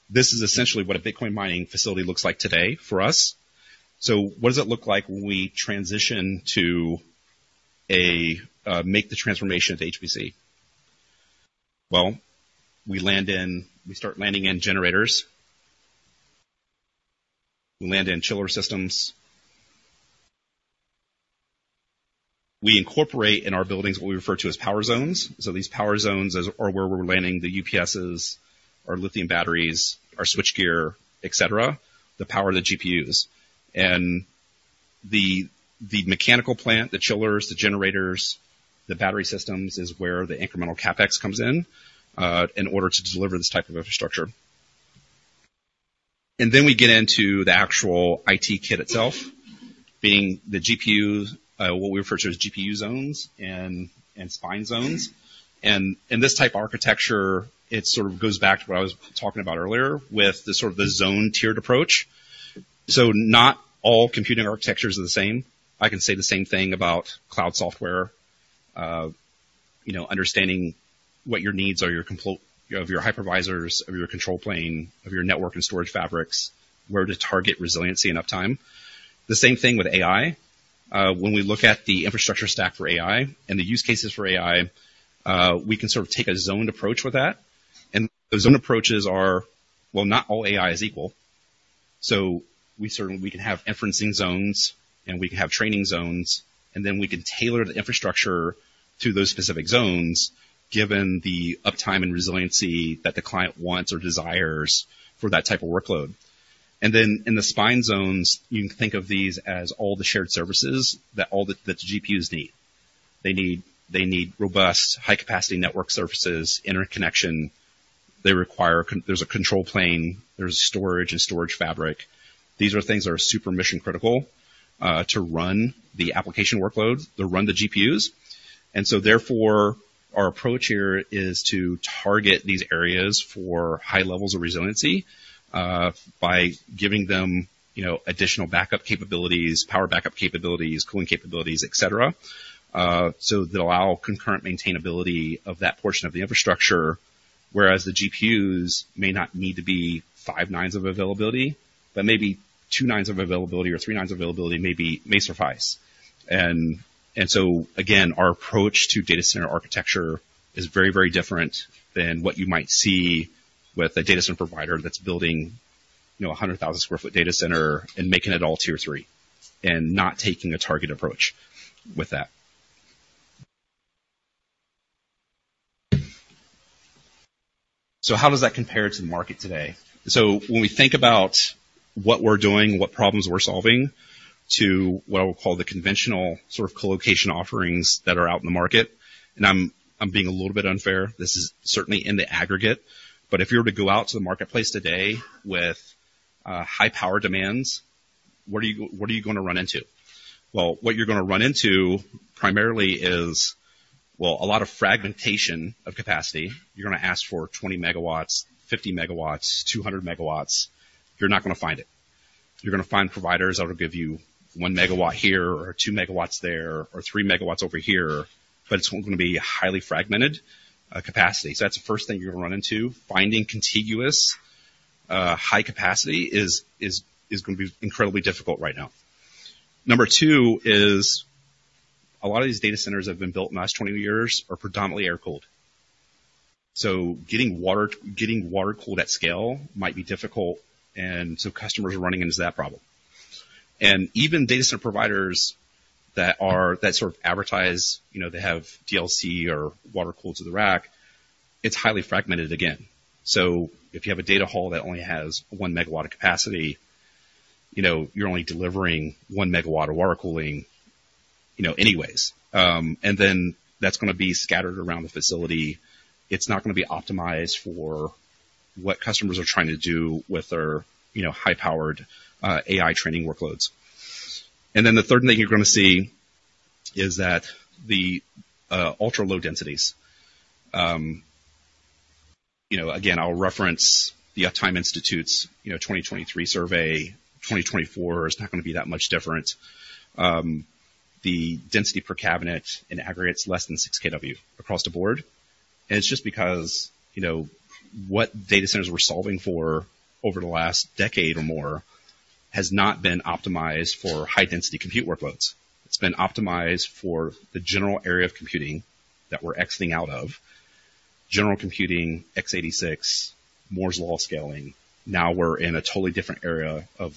this is essentially what a Bitcoin mining facility looks like today for us. So what does it look like when we transition to, make the transformation to HPC? Well, we start landing in generators. We land in chiller systems. We incorporate in our buildings what we refer to as power zones. So these power zones are where we're landing the UPSs, our lithium batteries, our switchgear, et cetera, that power the GPUs. And the mechanical plant, the chillers, the generators, the battery systems, is where the incremental CapEx comes in, in order to deliver this type of infrastructure... And then we get into the actual IT kit itself, being the GPUs, what we refer to as GPU zones and spine zones. And in this type of architecture, it sort of goes back to what I was talking about earlier with the sort of zone tiered approach. So not all computing architectures are the same. I can say the same thing about cloud software. You know, understanding what your needs are, of your hypervisors, of your control plane, of your network and storage fabrics, where to target resiliency and uptime. The same thing with AI. When we look at the infrastructure stack for AI and the use cases for AI, we can sort of take a zoned approach with that. And the zone approaches are, well, not all AI is equal. So we certainly, we can have inferencing zones, and we can have training zones, and then we can tailor the infrastructure to those specific zones, given the uptime and resiliency that the client wants or desires for that type of workload. Then in the spine zones, you can think of these as all the shared services that all the, that the GPUs need. They need, they need robust, high-capacity network services, interconnection. There's a control plane, there's storage and storage fabric. These are things that are super mission-critical to run the application workloads, to run the GPUs. And so therefore, our approach here is to target these areas for high levels of resiliency by giving them, you know, additional backup capabilities, power backup capabilities, cooling capabilities, et cetera, so they'll allow concurrent maintainability of that portion of the infrastructure, whereas the GPUs may not need to be five nines of availability, but maybe two nines of availability or three nines of availability, maybe, may suffice. and so again, our approach to data center architecture is very, very different than what you might see with a data center provider that's building, you know, a 100,000 sq ft data center and making it all Tier 3 and not taking a target approach with that. So how does that compare to the market today? So when we think about what we're doing, what problems we're solving, to what I will call the conventional sort of colocation offerings that are out in the market, and I'm being a little bit unfair. This is certainly in the aggregate, but if you were to go out to the marketplace today with high power demands, what are you going to run into? Well, what you're going to run into primarily is, well, a lot of fragmentation of capacity. You're going to ask for 20 MW, 50 MW, 200 MW. You're not going to find it. You're going to find providers that will give you 1 MW here, or 2 MW there, or 3 MW over here, but it's going to be a highly fragmented capacity. So that's the first thing you're going to run into. Finding contiguous high capacity is going to be incredibly difficult right now. Number two is a lot of these data centers have been built in the last 20 years, are predominantly air-cooled. So getting water, getting water-cooled at scale might be difficult, and so customers are running into that problem. Even data center providers that sort of advertise, you know, they have DLC or water-cooled to the rack, it's highly fragmented again. So if you have a data hall that only has 1 MW of capacity, you know, you're only delivering 1 MW of water cooling, you know, anyways. And then that's going to be scattered around the facility. It's not going to be optimized for what customers are trying to do with their, you know, high-powered, AI training workloads. And then the third thing you're going to see is that the ultra-low densities. You know, again, I'll reference the Uptime Institute's 2023 survey. 2024 is not going to be that much different. The density per cabinet in aggregate is less than 6 kW across the board, and it's just because, you know, what data centers were solving for over the last decade or more has not been optimized for high-density compute workloads. It's been optimized for the general area of computing that we're exiting out of. General computing, x86, Moore's Law scaling. Now we're in a totally different area of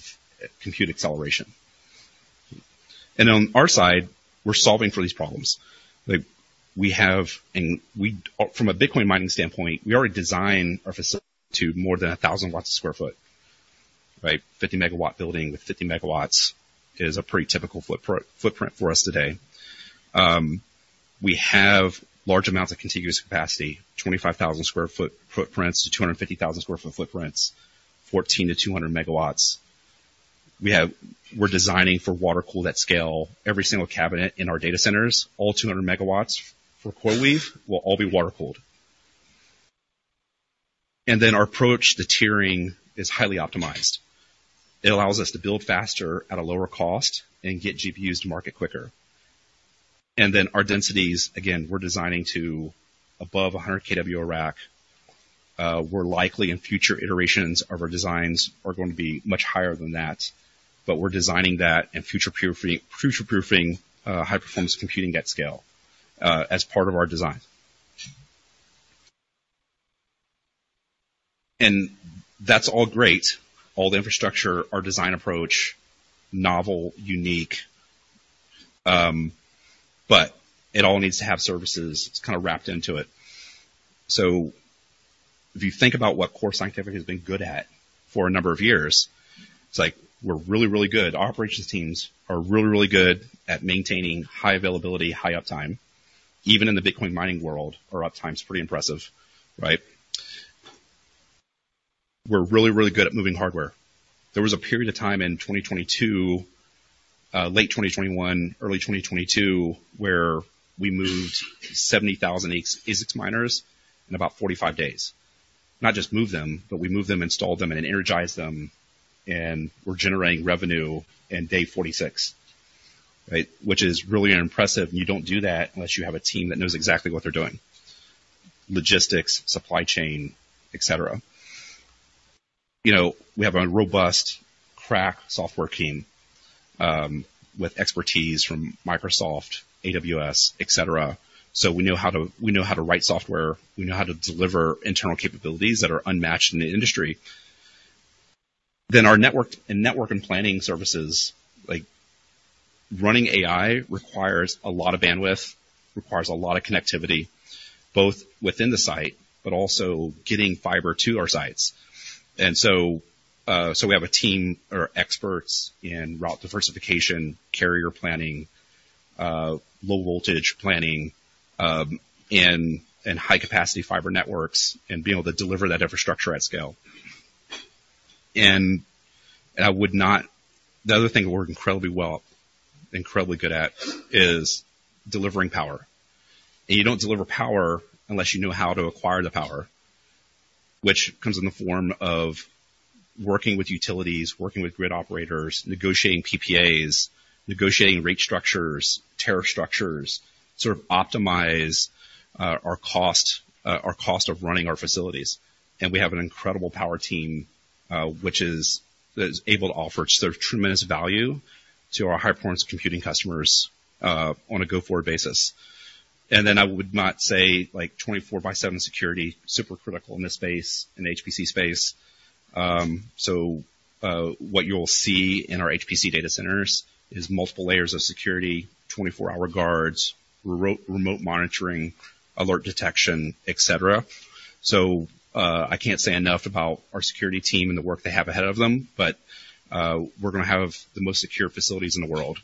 compute acceleration. On our side, we're solving for these problems. From a Bitcoin mining standpoint, we already design our facility to more than 1,000 watts a sq ft, right? 50-megawatt building with 50 MW is a pretty typical footprint for us today. We have large amounts of contiguous capacity, 25,000 sq ft footprints to 250,000 sq ft footprints, 14 to 200 MW. We're designing for water-cooled at scale. Every single cabinet in our data centers, all 200 MW for CoreWeave, will all be water-cooled. Then our approach to tiering is highly optimized. It allows us to build faster at a lower cost and get GPUs to market quicker. And then our densities, again, we're designing to above 100 kW a rack. We're likely in future iterations of our designs are going to be much higher than that, but we're designing that and future-proofing, future-proofing, high-performance computing at scale, as part of our design. And that's all great. All the infrastructure, our design approach, novel, unique, but it all needs to have services. It's kind of wrapped into it. So if you think about what Core Scientific has been good at for a number of years, it's like we're really, really good. Our operations teams are really, really good at maintaining high availability, high uptime... even in the Bitcoin mining world, are at times pretty impressive, right? We're really, really good at moving hardware. There was a period of time in 2022, late 2021, early 2022, where we moved 70,000 ASIC miners in about 45 days. Not just move them, but we moved them, installed them, and energized them, and we're generating revenue in day 46, right? Which is really impressive, and you don't do that unless you have a team that knows exactly what they're doing. Logistics, supply chain, et cetera. You know, we have a robust crack software team with expertise from Microsoft, AWS, et cetera. So we know how to, we know how to write software, we know how to deliver internal capabilities that are unmatched in the industry. Then our network and planning services, like running AI requires a lot of bandwidth, requires a lot of connectivity, both within the site, but also getting fiber to our sites. And so we have a team of experts in route diversification, carrier planning, low voltage planning, and high-capacity fiber networks and being able to deliver that infrastructure at scale. And I would not. The other thing we're incredibly well, incredibly good at is delivering power. And you don't deliver power unless you know how to acquire the power, which comes in the form of working with utilities, working with grid operators, negotiating PPAs, negotiating rate structures, tariff structures, sort of optimize our cost, our cost of running our facilities. And we have an incredible power team, which is that is able to offer tremendous value to our high-performance computing customers on a go-forward basis. And then I would not say, like, 24 by 7 security, super critical in this space, in HPC space. So, what you'll see in our HPC data centers is multiple layers of security, 24-hour guards, remote monitoring, alert detection, et cetera. So, I can't say enough about our security team and the work they have ahead of them, but, we're going to have the most secure facilities in the world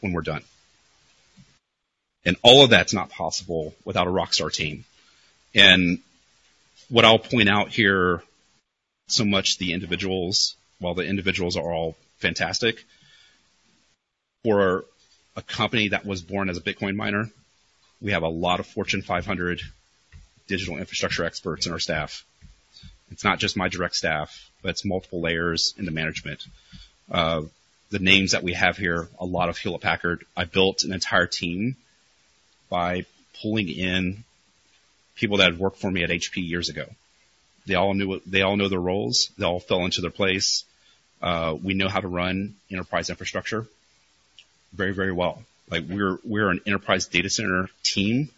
when we're done. And all of that's not possible without a rockstar team. And what I'll point out here, so much the individuals, while the individuals are all fantastic, for a company that was born as a Bitcoin miner, we have a lot of Fortune 500 digital infrastructure experts in our staff. It's not just my direct staff, but it's multiple layers in the management. The names that we have here, a lot of Hewlett-Packard. I built an entire team by pulling in people that had worked for me at HP years ago. They all know the roles, they all fell into their place. We know how to run enterprise infrastructure very, very well. Like, we're an enterprise data center team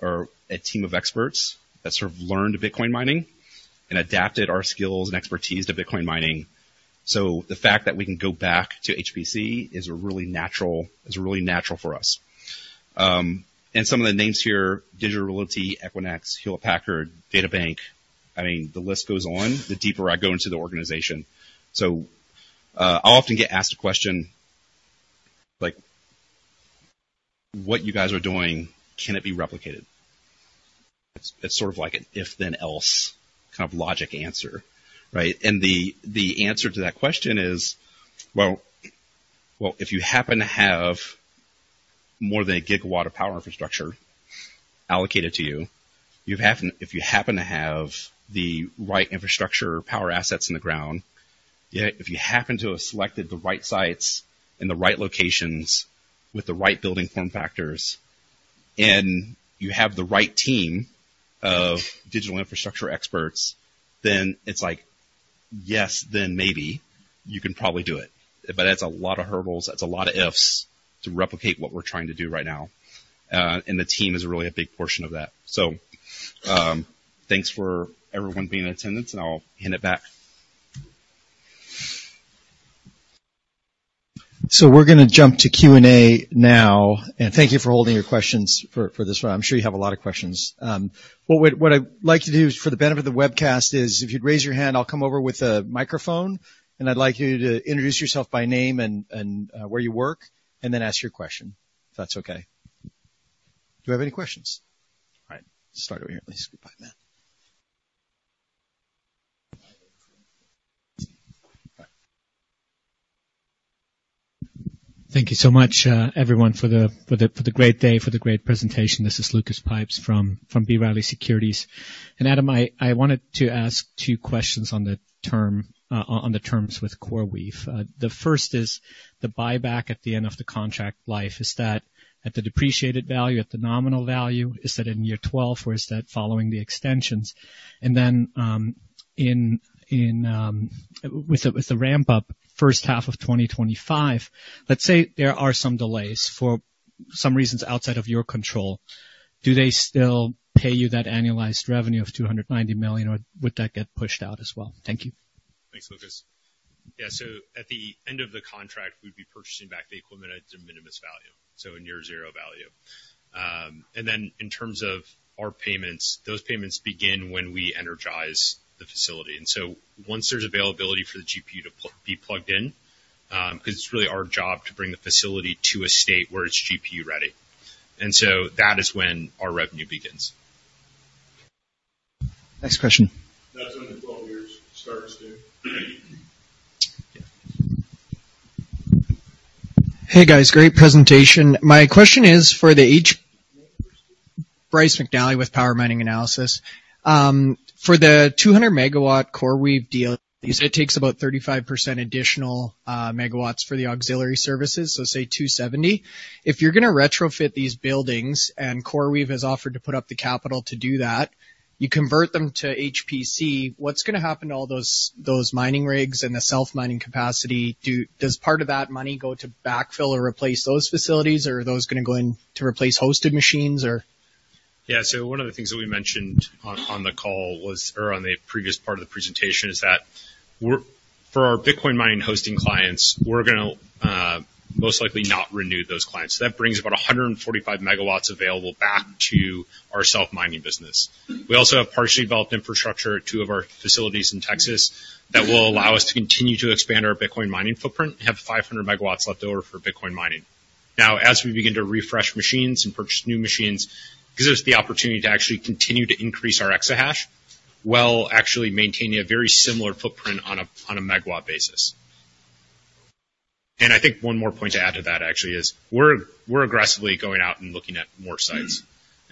or a team of experts that sort of learned Bitcoin mining and adapted our skills and expertise to Bitcoin mining. So the fact that we can go back to HPC is a really natural, is really natural for us. And some of the names here, Digital Realty, Equinix, Hewlett-Packard, DataBank. I mean, the list goes on the deeper I go into the organization. So, I'll often get asked a question like, "What you guys are doing, can it be replicated?" It's sort of like an if-then-else kind of logic answer, right? And the answer to that question is, well, if you happen to have more than a gigawatt of power infrastructure allocated to you. If you happen to have the right infrastructure power assets in the ground, yeah, if you happen to have selected the right sites in the right locations with the right building form factors, and you have the right team of digital infrastructure experts, then it's like, yes, then maybe you can probably do it. But that's a lot of hurdles, that's a lot of ifs to replicate what we're trying to do right now, and the team is really a big portion of that. So, thanks for everyone being in attendance, and I'll hand it back. So we're going to jump to Q&A now, and thank you for holding your questions for, for this one. I'm sure you have a lot of questions. What I'd like to do for the benefit of the webcast is, if you'd raise your hand, I'll come over with a microphone, and I'd like you to introduce yourself by name and where you work, and then ask your question, if that's okay. Do you have any questions? All right, let's start over here. Let's get by then. Thank you so much, everyone, for the great day, for the great presentation. This is Lucas Pipes from B. Riley Securities. And Adam, I wanted to ask 2 questions on the terms with CoreWeave. The first is the buyback at the end of the contract life. Is that at the depreciated value, at the nominal value? Is that in year 12, or is that following the extensions? And then, in with the ramp up first half of 2025, let's say there are some delays for some reasons outside of your control, do they still pay you that annualized revenue of $290 million, or would that get pushed out as well? Thank you. Thanks, Lucas. Yeah, so at the end of the contract, we'd be purchasing back the equipment at the de minimis value, so in near zero value. And then in terms of our payments, those payments begin when we energize the facility. And so once there's availability for the GPU to be plugged in, because it's really our job to bring the facility to a state where it's GPU-ready, and so that is when our revenue begins.... Next question. That's under 12 years starts there. Hey, guys, great presentation. This is Bryce McNally with B. Riley Securities. For the 200 MW CoreWeave deal, it takes about 35% additional MW for the auxiliary services, so say 270. If you're gonna retrofit these buildings, and CoreWeave has offered to put up the capital to do that, you convert them to HPC. What's gonna happen to all those, those mining rigs and the self-mining capacity? Does part of that money go to backfill or replace those facilities, or are those gonna go in to replace hosted machines or? Yeah. So one of the things that we mentioned on, on the call was, or on the previous part of the presentation, is that we're—for our Bitcoin mining hosting clients, we're gonna most likely not renew those clients. So that brings about 145 megawatts available back to our self-mining business. We also have partially developed infrastructure at two of our facilities in Texas that will allow us to continue to expand our Bitcoin mining footprint and have 500 megawatts left over for Bitcoin mining. Now, as we begin to refresh machines and purchase new machines, 'cause there's the opportunity to actually continue to increase our exahash, while actually maintaining a very similar footprint on a megawatt basis. And I think one more point to add to that, actually, is we're aggressively going out and looking at more sites.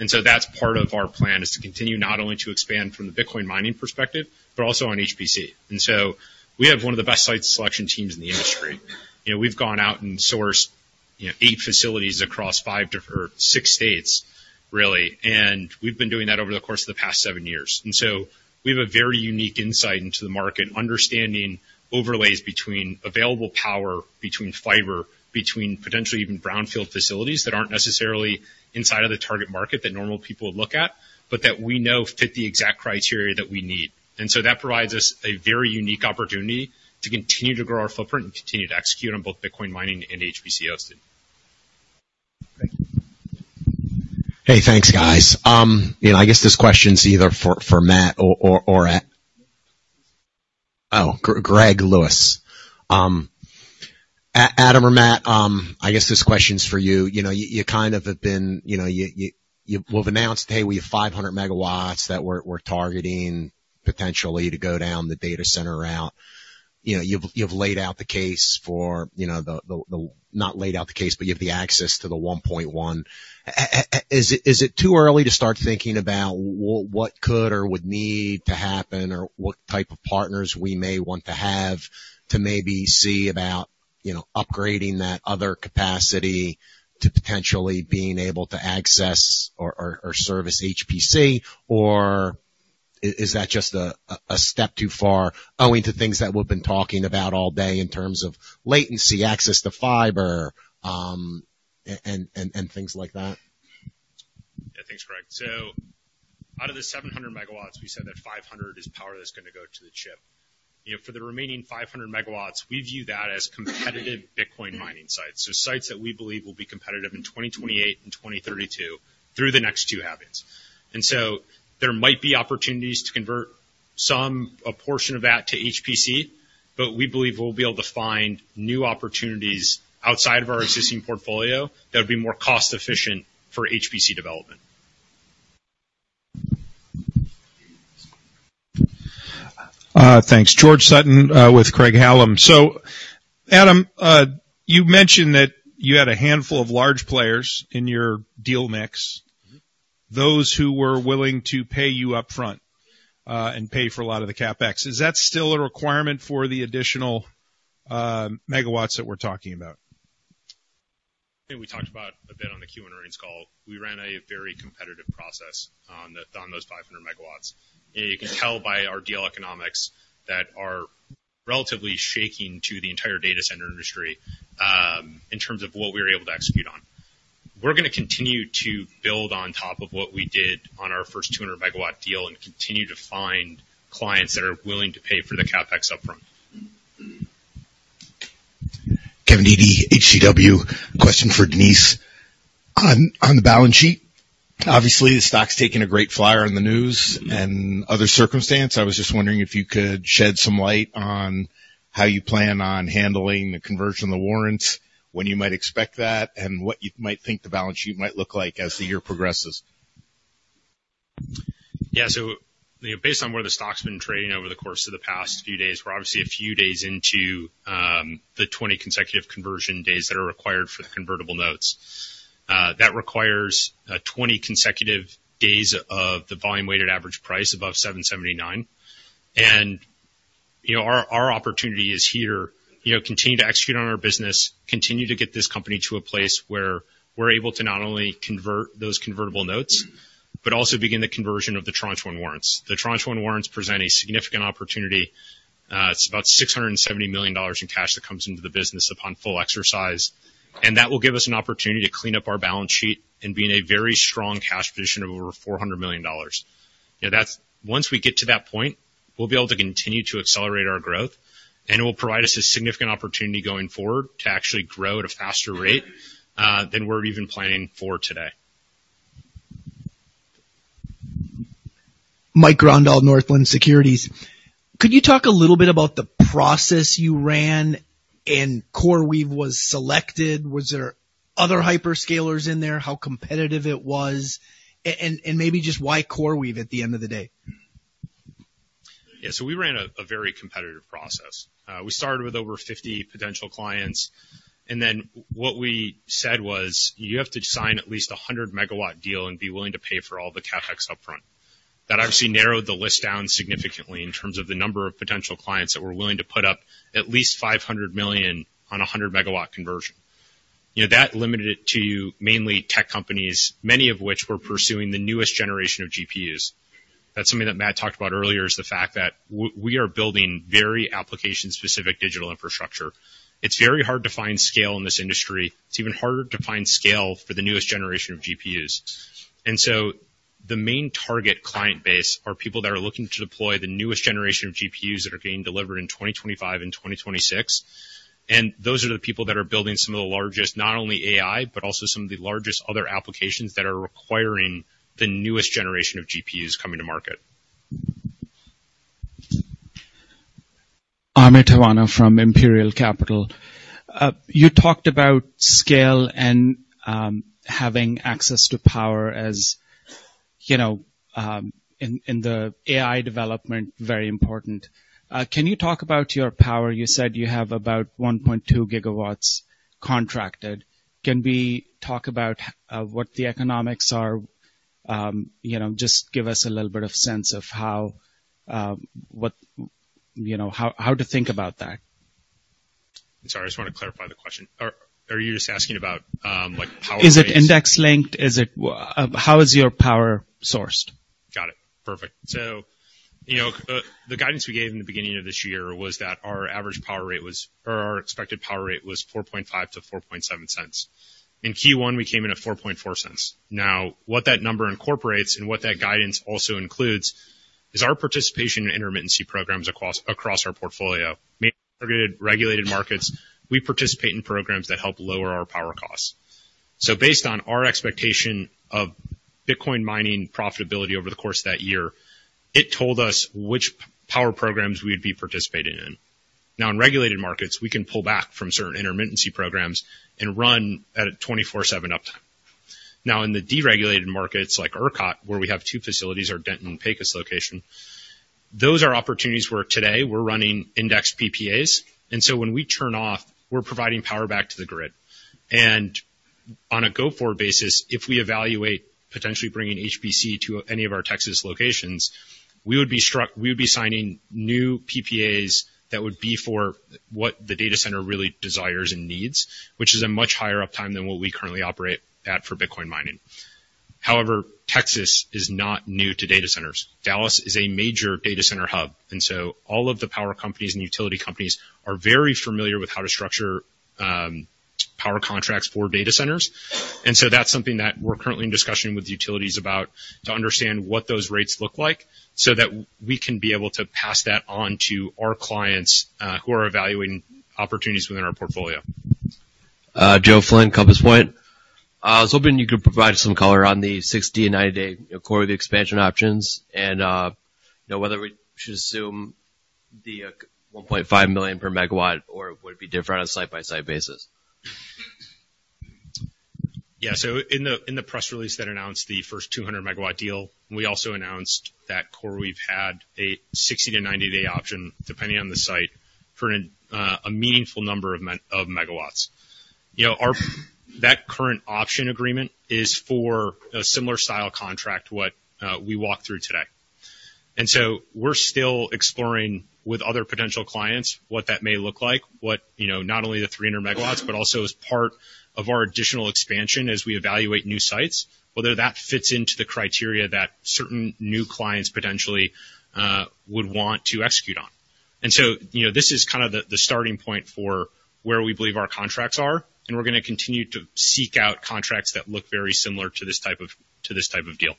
So that's part of our plan, is to continue not only to expand from the Bitcoin mining perspective, but also on HPC. We have one of the best site selection teams in the industry. You know, we've gone out and sourced, you know, 8 facilities across 5 different... or 6 states, really, and we've been doing that over the course of the past 7 years. We have a very unique insight into the market, understanding overlays between available power, between fiber, between potentially even brownfield facilities that aren't necessarily inside of the target market that normal people would look at, but that we know fit the exact criteria that we need. That provides us a very unique opportunity to continue to grow our footprint and continue to execute on both Bitcoin mining and HPC hosting. Thank you. Hey, thanks, guys. You know, I guess this question's either for Matt or Adam. This is Greg Lewis. Adam or Matt, I guess this question's for you. You know, you kind of have been, you know, well, have announced, "Hey, we have 500 megawatts that we're targeting potentially to go down the data center route." You know, you've laid out the case for, you know, the... Not laid out the case, but you have the access to the 1.1. Is it too early to start thinking about what could or would need to happen, or what type of partners we may want to have to maybe see about, you know, upgrading that other capacity to potentially being able to access or service HPC? Or is that just a step too far owing to things that we've been talking about all day in terms of latency, access to fiber, and things like that? Yeah. Thanks, Greg. So out of the 700 megawatts, we said that 500 is power that's gonna go to the chip. You know, for the remaining 500 megawatts, we view that as competitive Bitcoin mining sites. So sites that we believe will be competitive in 2028 and 2032 through the next two halvenings. And so there might be opportunities to convert some, a portion of that to HPC, but we believe we'll be able to find new opportunities outside of our existing portfolio that would be more cost efficient for HPC development. Thanks. George Sutton with Craig-Hallum. So Adam, you mentioned that you had a handful of large players in your deal mix- Mm-hmm. -those who were willing to pay you upfront, and pay for a lot of the CapEx. Is that still a requirement for the additional megawatts that we're talking about? I think we talked about a bit on the Q1 earnings call. We ran a very competitive process on the, on those 500 megawatts. You can tell by our deal economics that are relatively akin to the entire data center industry, in terms of what we were able to execute on. We're gonna continue to build on top of what we did on our first 200-megawatt deal and continue to find clients that are willing to pay for the CapEx upfront. Kevin Dede, H.C. Wainwright. Question for Denise. On the balance sheet, obviously, the stock's taking a great flyer on the news and other circumstance. I was just wondering if you could shed some light on how you plan on handling the conversion of the warrants, when you might expect that, and what you might think the balance sheet might look like as the year progresses. Yeah. So, you know, based on where the stock's been trading over the course of the past few days, we're obviously a few days into the 20 consecutive conversion days that are required for the convertible notes. That requires 20 consecutive days of the volume-weighted average price above $7.79. And, you know, our opportunity is here, you know, continue to execute on our business, continue to get this company to a place where we're able to not only convert those convertible notes, but also begin the conversion of the Tranche 1 Warrants. The Tranche 1 Warrants present a significant opportunity. It's about $670 million in cash that comes into the business upon full exercise, and that will give us an opportunity to clean up our balance sheet and be in a very strong cash position of over $400 million. You know, that's... Once we get to that point, we'll be able to continue to accelerate our growth, and it will provide us a significant opportunity going forward to actually grow at a faster rate than we're even planning for today. Could you talk a little bit about the process you ran and CoreWeave was selected? Was there other hyperscalers in there? How competitive it was, and maybe just why CoreWeave at the end of the day? Yeah, so we ran a very competitive process. We started with over 50 potential clients, and then what we said was, "You have to sign at least a 100-megawatt deal and be willing to pay for all the CapEx upfront." That obviously narrowed the list down significantly in terms of the number of potential clients that were willing to put up at least $500 million on a 100-megawatt conversion. You know, that limited it to mainly tech companies, many of which were pursuing the newest generation of GPUs. That's something that Matt talked about earlier, is the fact that we are building very application-specific digital infrastructure. It's very hard to find scale in this industry. It's even harder to find scale for the newest generation of GPUs. And so the main target client base are people that are looking to deploy the newest generation of GPUs that are getting delivered in 2025 and 2026, and those are the people that are building some of the largest, not only AI, but also some of the largest other applications that are requiring the newest generation of GPUs coming to market. Amit Dayal from Imperial Capital. You talked about scale and having access to power, as you know, in the AI development, very important. Can you talk about your power? You said you have about 1.2 gigawatts contracted. Can we talk about what the economics are? You know, just give us a little bit of sense of how, what... You know, how to think about that. Sorry, I just want to clarify the question. Are you just asking about, like, power rates? Is it index linked? Is it, how is your power sourced? Got it. Perfect. So, you know, the guidance we gave in the beginning of this year was that our average power rate was, or our expected power rate was $0.045-$0.047. In Q1, we came in at $0.044. Now, what that number incorporates, and what that guidance also includes, is our participation in intermittency programs across our portfolio. Mainly regulated markets, we participate in programs that help lower our power costs. So based on our expectation of Bitcoin mining profitability over the course of that year, it told us which power programs we'd be participating in. Now, in regulated markets, we can pull back from certain intermittency programs and run at 24/7 uptime. Now, in the deregulated markets like ERCOT, where we have two facilities, our Denton and Pecos location, those are opportunities where today we're running indexed PPAs, and so when we turn off, we're providing power back to the grid. On a go-forward basis, if we evaluate potentially bringing HPC to any of our Texas locations, we would be signing new PPAs that would be for what the data center really desires and needs, which is a much higher uptime than what we currently operate at for Bitcoin mining. However, Texas is not new to data centers. Dallas is a major data center hub, and so all of the power companies and utility companies are very familiar with how to structure power contracts for data centers. That's something that we're currently in discussion with utilities about, to understand what those rates look like, so that we can be able to pass that on to our clients, who are evaluating opportunities within our portfolio. Joe Flynn, Compass Point. I was hoping you could provide some color on the 60-day and 90-day CoreWeave expansion options and, you know, whether we should assume the $1.5 million per megawatt, or would it be different on a site-by-site basis? Yeah, so in the press release that announced the first 200-MW deal, we also announced that CoreWeave had a 60- to 90-day option, depending on the site, for a meaningful number of megawatts. You know, that current option agreement is for a similar style contract, what we walked through today. And so we're still exploring with other potential clients what that may look like, what... You know, not only the 300 MW, but also as part of our additional expansion as we evaluate new sites, whether that fits into the criteria that certain new clients potentially would want to execute on. So, you know, this is kind of the starting point for where we believe our contracts are, and we're gonna continue to seek out contracts that look very similar to this type of deal.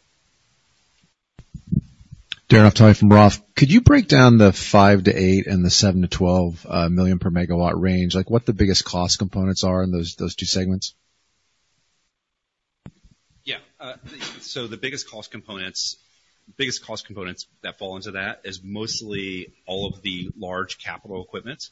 Darren Aftahi from Roth MKM. Could you break down the $5 million-$8 million and the $7 million-$12 million per megawatt range? Like, what the biggest cost components are in those two segments? Yeah, so the biggest cost components, biggest cost components that fall into that is mostly all of the large capital equipment,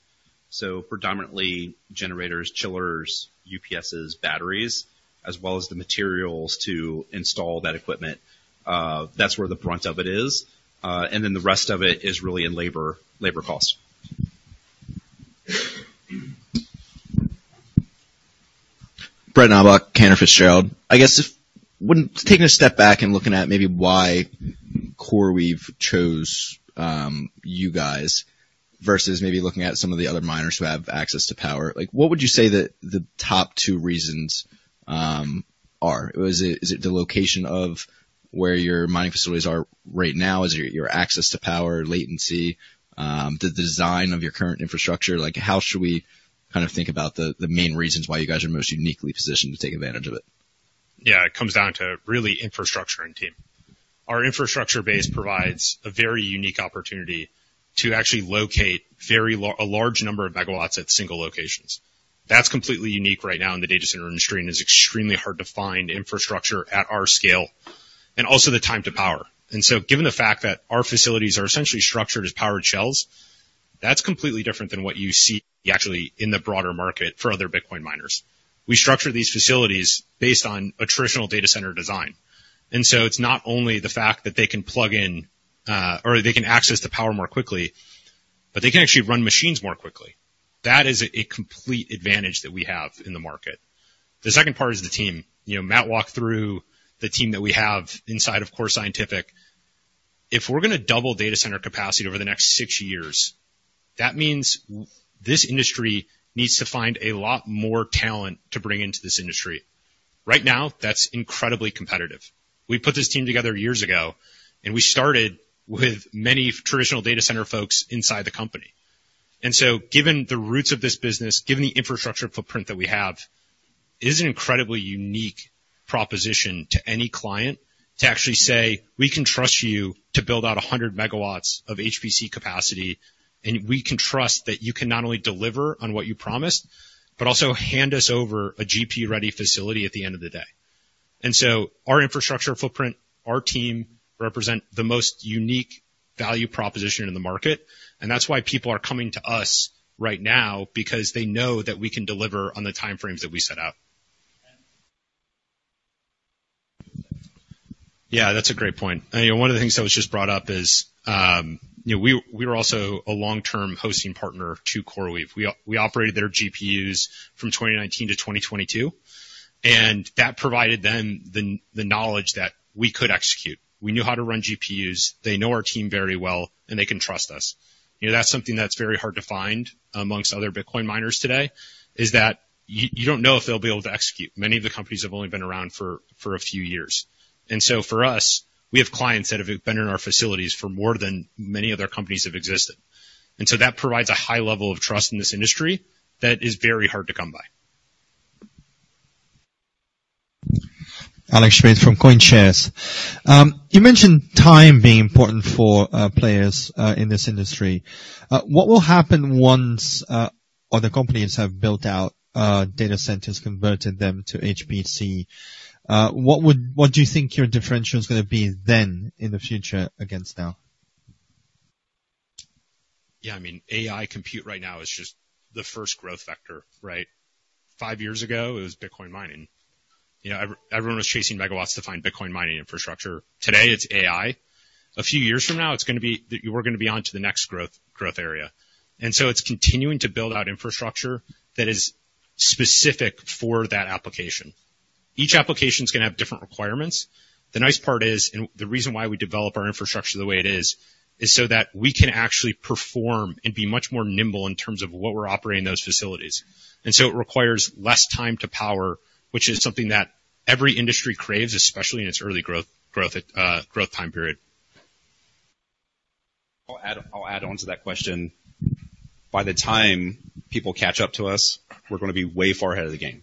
so predominantly generators, chillers, UPSs, batteries, as well as the materials to install that equipment. That's where the brunt of it is, and then the rest of it is really in labor, labor costs. Brett Knoblauch, Cantor Fitzgerald. I guess if... When taking a step back and looking at maybe why CoreWeave chose you guys, versus maybe looking at some of the other miners who have access to power, like, what would you say the top two reasons are? Is it the location of where your mining facilities are right now? Is it your access to power, latency, the design of your current infrastructure? Like, how should we kind of think about the main reasons why you guys are most uniquely positioned to take advantage of it? Yeah, it comes down to really infrastructure and team. Our infrastructure base provides a very unique opportunity to actually locate a large number of megawatts at single locations. That's completely unique right now in the data center industry, and it's extremely hard to find infrastructure at our scale, and also the time to power. And so given the fact that our facilities are essentially structured as powered shells, that's completely different than what you see actually in the broader market for other Bitcoin miners. We structure these facilities based on a traditional data center design. And so it's not only the fact that they can plug in, or they can access the power more quickly, but they can actually run machines more quickly. That is a complete advantage that we have in the market. The second part is the team. You know, Matt walked through the team that we have inside of Core Scientific. If we're gonna double data center capacity over the next six years, that means this industry needs to find a lot more talent to bring into this industry. Right now, that's incredibly competitive. We put this team together years ago, and we started with many traditional data center folks inside the company. And so, given the roots of this business, given the infrastructure footprint that we have, it is an incredibly unique proposition to any client to actually say, "We can trust you to build out 100 megawatts of HPC capacity, and we can trust that you can not only deliver on what you promised, but also hand us over a GP-ready facility at the end of the day." And so our infrastructure footprint, our team, represent the most unique value proposition in the market, and that's why people are coming to us right now, because they know that we can deliver on the timeframes that we set out. Yeah, that's a great point. And, you know, one of the things that was just brought up is, you know, we, we were also a long-term hosting partner to CoreWeave. We operated their GPUs from 2019 to 2022, and that provided them the knowledge that we could execute. We knew how to run GPUs, they know our team very well, and they can trust us. You know, that's something that's very hard to find amongst other Bitcoin miners today, is that you, you don't know if they'll be able to execute. Many of the companies have only been around for, for a few years. And so for us, we have clients that have been in our facilities for more than many other companies have existed. That provides a high level of trust in this industry that is very hard to come by. Max Schwed from CoinShares. You mentioned time being important for players in this industry. What will happen once other companies have built out data centers, converted them to HPC? What would-- what do you think your differentiator is gonna be then in the future against now? Yeah, I mean, AI compute right now is just the first growth vector, right? Five years ago, it was Bitcoin mining. You know, everyone was chasing megawatts to find Bitcoin mining infrastructure. Today, it's AI. A few years from now, it's gonna be... We're gonna be on to the next growth area. And so it's continuing to build out infrastructure that is specific for that application. Each application's gonna have different requirements. The nice part is, and the reason why we develop our infrastructure the way it is, is so that we can actually perform and be much more nimble in terms of what we're operating those facilities. And so it requires less time to power, which is something that every industry craves, especially in its early growth time period. I'll add, I'll add on to that question. By the time people catch up to us, we're gonna be way far ahead of the game.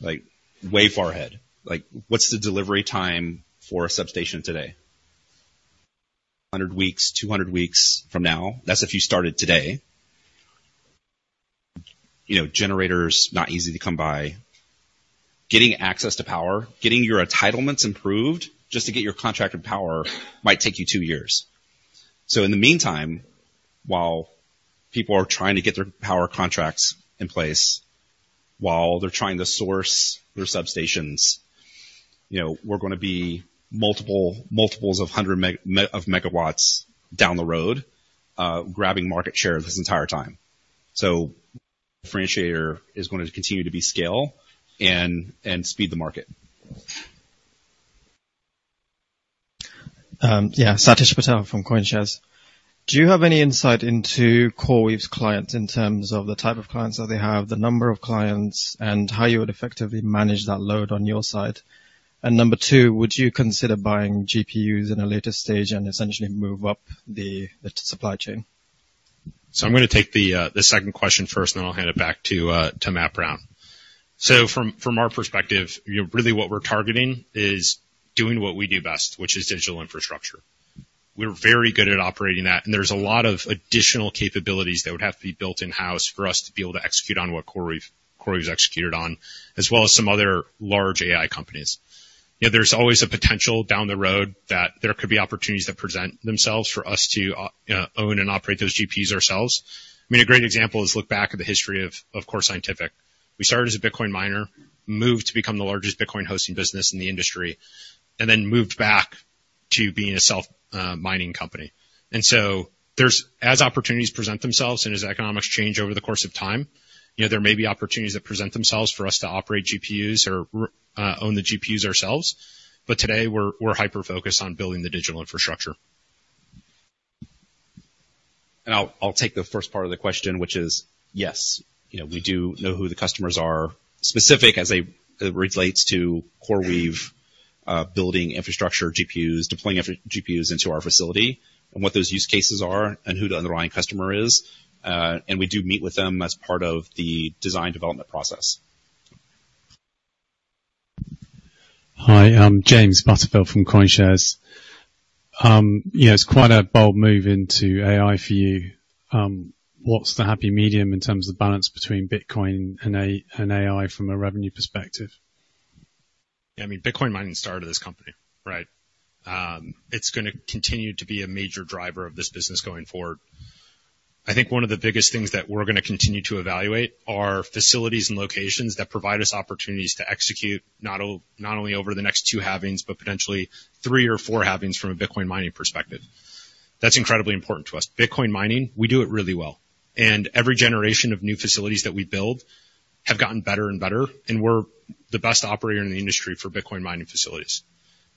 Like, way far ahead. Like, what's the delivery time for a substation today? 100 weeks, 200 weeks from now, that's if you started today. You know, generators, not easy to come by. Getting access to power, getting your entitlements improved just to get your contracted power might take you 2 years. So in the meantime, while people are trying to get their power contracts in place, while they're trying to source their substations, you know, we're gonna be multiples of 100 megawatts down the road, grabbing market share this entire time. So differentiator is going to continue to be scale and speed the market. Yeah, Sahil Patel from CoinShares. Do you have any insight into CoreWeave's clients in terms of the type of clients that they have, the number of clients, and how you would effectively manage that load on your side? And number two, would you consider buying GPUs in a later stage and essentially move up the supply chain? So I'm gonna take the second question first, and then I'll hand it back to Matt Brown. So from our perspective, you know, really what we're targeting is doing what we do best, which is digital infrastructure. We're very good at operating that, and there's a lot of additional capabilities that would have to be built in-house for us to be able to execute on what CoreWeave's executed on, as well as some other large AI companies. You know, there's always a potential down the road that there could be opportunities that present themselves for us to own and operate those GPUs ourselves. I mean, a great example is look back at the history of Core Scientific. We started as a Bitcoin miner, moved to become the largest Bitcoin hosting business in the industry, and then moved back to being a self-mining company. So there's as opportunities present themselves and as economics change over the course of time, you know, there may be opportunities that present themselves for us to operate GPUs or own the GPUs ourselves, but today, we're hyper-focused on building the digital infrastructure. I'll take the first part of the question, which is, yes, you know, we do know who the customers are, specific as it relates to CoreWeave, building infrastructure, GPUs, deploying GPUs into our facility, and what those use cases are and who the underlying customer is. And we do meet with them as part of the design development process.... Hi, I'm James Butterfill from CoinShares. Yeah, it's quite a bold move into AI for you. What's the happy medium in terms of balance between Bitcoin and AI from a revenue perspective? I mean, Bitcoin mining started this company, right? It's gonna continue to be a major driver of this business going forward. I think one of the biggest things that we're gonna continue to evaluate are facilities and locations that provide us opportunities to execute, not only over the next two halvings, but potentially three or four halvings from a Bitcoin mining perspective. That's incredibly important to us. Bitcoin mining, we do it really well, and every generation of new facilities that we build have gotten better and better, and we're the best operator in the industry for Bitcoin mining facilities.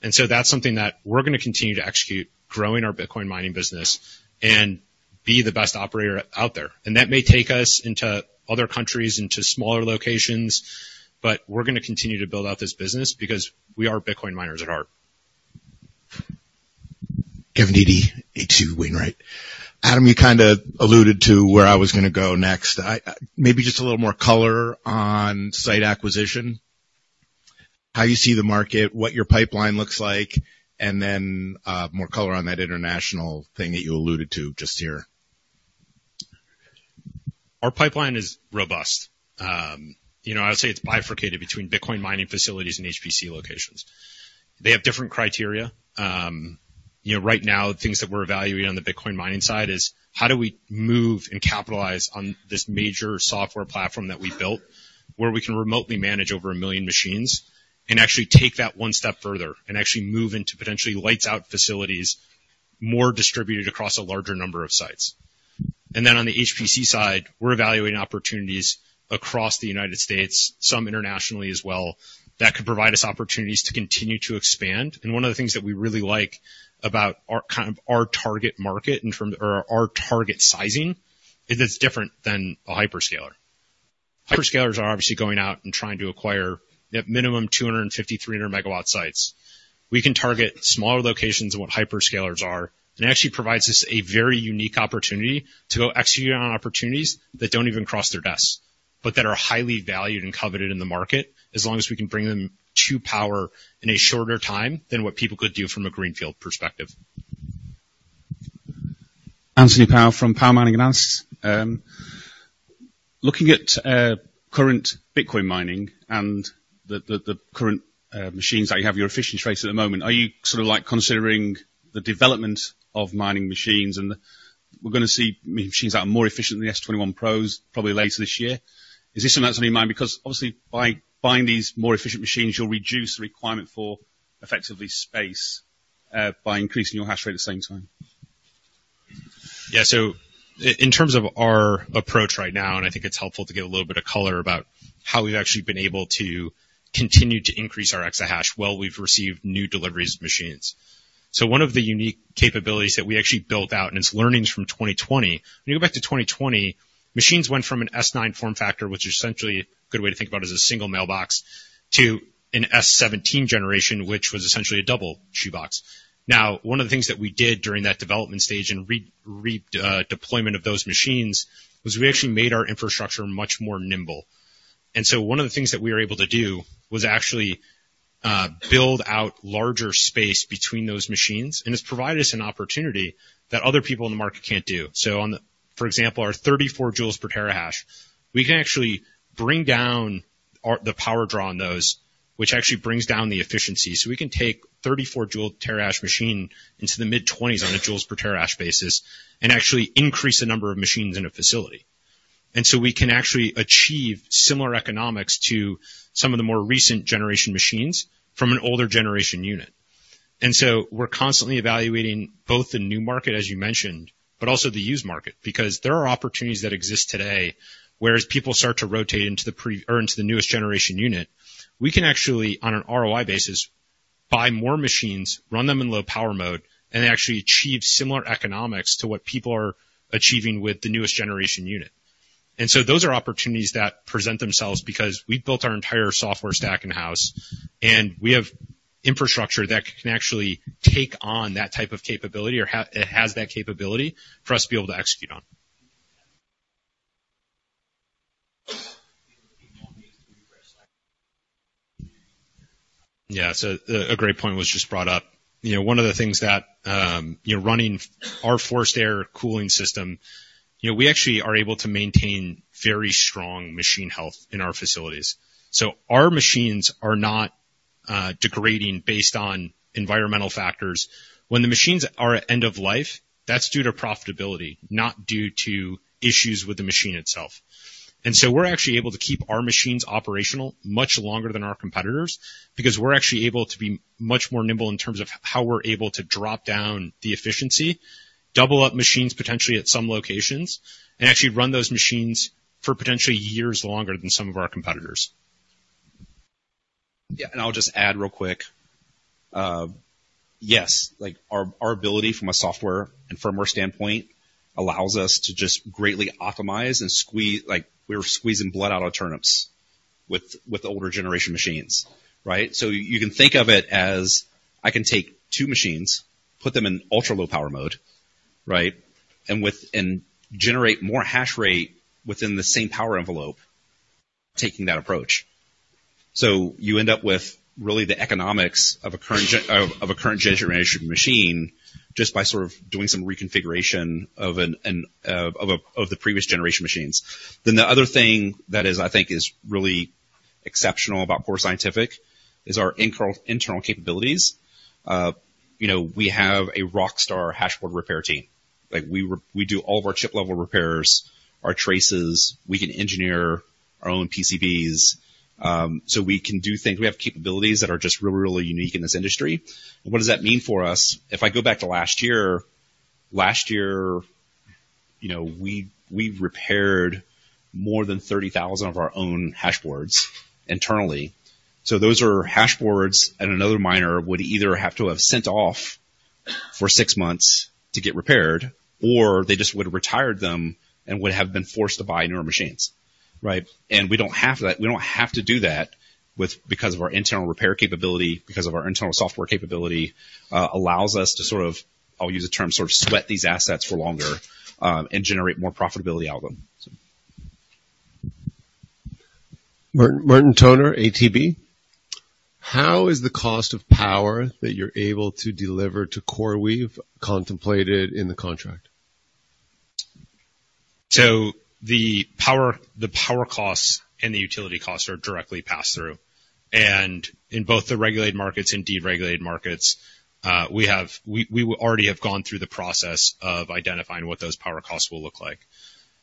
And so that's something that we're gonna continue to execute, growing our Bitcoin mining business and be the best operator out there. That may take us into other countries, into smaller locations, but we're gonna continue to build out this business because we are Bitcoin miners at heart. Kevin Dede, H.C. Wainwright. Adam, you kinda alluded to where I was gonna go next. I, maybe just a little more color on site acquisition, how you see the market, what your pipeline looks like, and then, more color on that international thing that you alluded to just here. Our pipeline is robust. You know, I would say it's bifurcated between Bitcoin mining facilities and HPC locations. They have different criteria. You know, right now, things that we're evaluating on the Bitcoin mining side is: how do we move and capitalize on this major software platform that we built, where we can remotely manage over a million machines and actually take that one step further and actually move into potentially lights out facilities, more distributed across a larger number of sites? And then on the HPC side, we're evaluating opportunities across the United States, some internationally as well, that could provide us opportunities to continue to expand. One of the things that we really like about our kind of our target market in terms... or our target sizing is it's different than a hyperscaler. Hyperscalers are obviously going out and trying to acquire, at minimum, 250-300 MW sites. We can target smaller locations than what hyperscalers are, and it actually provides us a very unique opportunity to go execute on opportunities that don't even cross their desks, but that are highly valued and coveted in the market, as long as we can bring them to power in a shorter time than what people could do from a greenfield perspective. Anthony Power from Power Mining Analysis. Looking at current Bitcoin mining and the current machines that you have, your efficiency rates at the moment, are you sort of, like, considering the development of mining machines, and we're gonna see machines that are more efficient than the S21 Pros, probably later this year? Is this something that's on your mind? Because, obviously, by buying these more efficient machines, you'll reduce the requirement for, effectively, space, by increasing your hash rate at the same time. Yeah, so in terms of our approach right now, and I think it's helpful to give a little bit of color about how we've actually been able to continue to increase our exahash while we've received new deliveries of machines. So one of the unique capabilities that we actually built out, and it's learnings from 2020. When you go back to 2020, machines went from an S9 form factor, which is essentially a good way to think about as a single mailbox, to an S17 generation, which was essentially a double shoebox. Now, one of the things that we did during that development stage and redeployment of those machines, was we actually made our infrastructure much more nimble. One of the things that we were able to do was actually build out larger space between those machines, and it's provided us an opportunity that other people in the market can't do. So, for example, our 34 joules per terahash, we can actually bring down the power draw on those, which actually brings down the efficiency. So we can take 34 joule terahash machine into the mid-20s on a joules per terahash basis and actually increase the number of machines in a facility. We can actually achieve similar economics to some of the more recent generation machines from an older generation unit. And so we're constantly evaluating both the new market, as you mentioned, but also the used market, because there are opportunities that exist today, where as people start to rotate into the pre- or into the newest generation unit, we can actually, on an ROI basis, buy more machines, run them in low power mode, and actually achieve similar economics to what people are achieving with the newest generation unit. And so those are opportunities that present themselves because we've built our entire software stack in-house, and we have infrastructure that can actually take on that type of capability or it has that capability for us to be able to execute on. Yeah, so a great point was just brought up. You know, one of the things that you're running our forced air cooling system, you know, we actually are able to maintain very strong machine health in our facilities. So our machines are not degrading based on environmental factors. When the machines are at end of life, that's due to profitability, not due to issues with the machine itself. And so we're actually able to keep our machines operational much longer than our competitors because we're actually able to be much more nimble in terms of how we're able to drop down the efficiency, double up machines, potentially, at some locations, and actually run those machines for potentially years longer than some of our competitors. Yeah, and I'll just add real quick. Yes, like, our ability from a software and firmware standpoint allows us to just greatly optimize and squeeze—like, we're squeezing blood out of turnips with older generation machines, right? So you can think of it as, I can take two machines, put them in ultra-low power mode- ... Right? And generate more hash rate within the same power envelope, taking that approach. So you end up with really the economics of a current gen, a current generation machine, just by sort of doing some reconfiguration of the previous generation machines. Then the other thing that is, I think, is really exceptional about Core Scientific is our internal capabilities. You know, we have a rockstar hash board repair team. Like, we do all of our chip level repairs, our traces, we can engineer our own PCBs. So we can do things. We have capabilities that are just really, really unique in this industry. And what does that mean for us? If I go back to last year, you know, we repaired more than 30,000 of our own hash boards internally. So those are hash boards, and another miner would either have to have sent off for six months to get repaired, or they just would have retired them and would have been forced to buy newer machines, right? And we don't have that. We don't have to do that, because of our internal repair capability, because of our internal software capability, allows us to sort of, I'll use the term, sort of sweat these assets for longer, and generate more profitability out of them, so. Martin, Martin Toner, ATB. How is the cost of power that you're able to deliver to CoreWeave contemplated in the contract? So the power, the power costs and the utility costs are directly passed through. In both the regulated markets and deregulated markets, we already have gone through the process of identifying what those power costs will look like.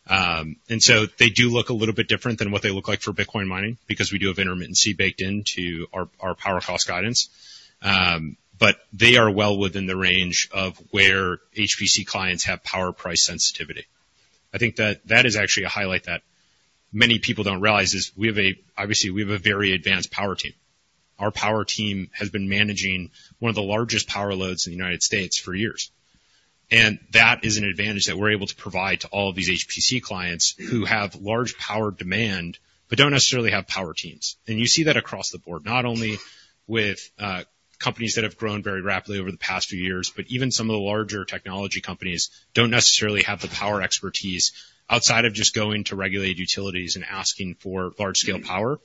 And so they do look a little bit different than what they look like for Bitcoin mining, because we do have intermittency baked into our power cost guidance. But they are well within the range of where HPC clients have power price sensitivity. I think that is actually a highlight that many people don't realize is we have, obviously, a very advanced power team. Our power team has been managing one of the largest power loads in the United States for years. That is an advantage that we're able to provide to all of these HPC clients who have large power demand, but don't necessarily have power teams. You see that across the board, not only with companies that have grown very rapidly over the past few years, but even some of the larger technology companies don't necessarily have the power expertise outside of just going to regulated utilities and asking for large-scale power.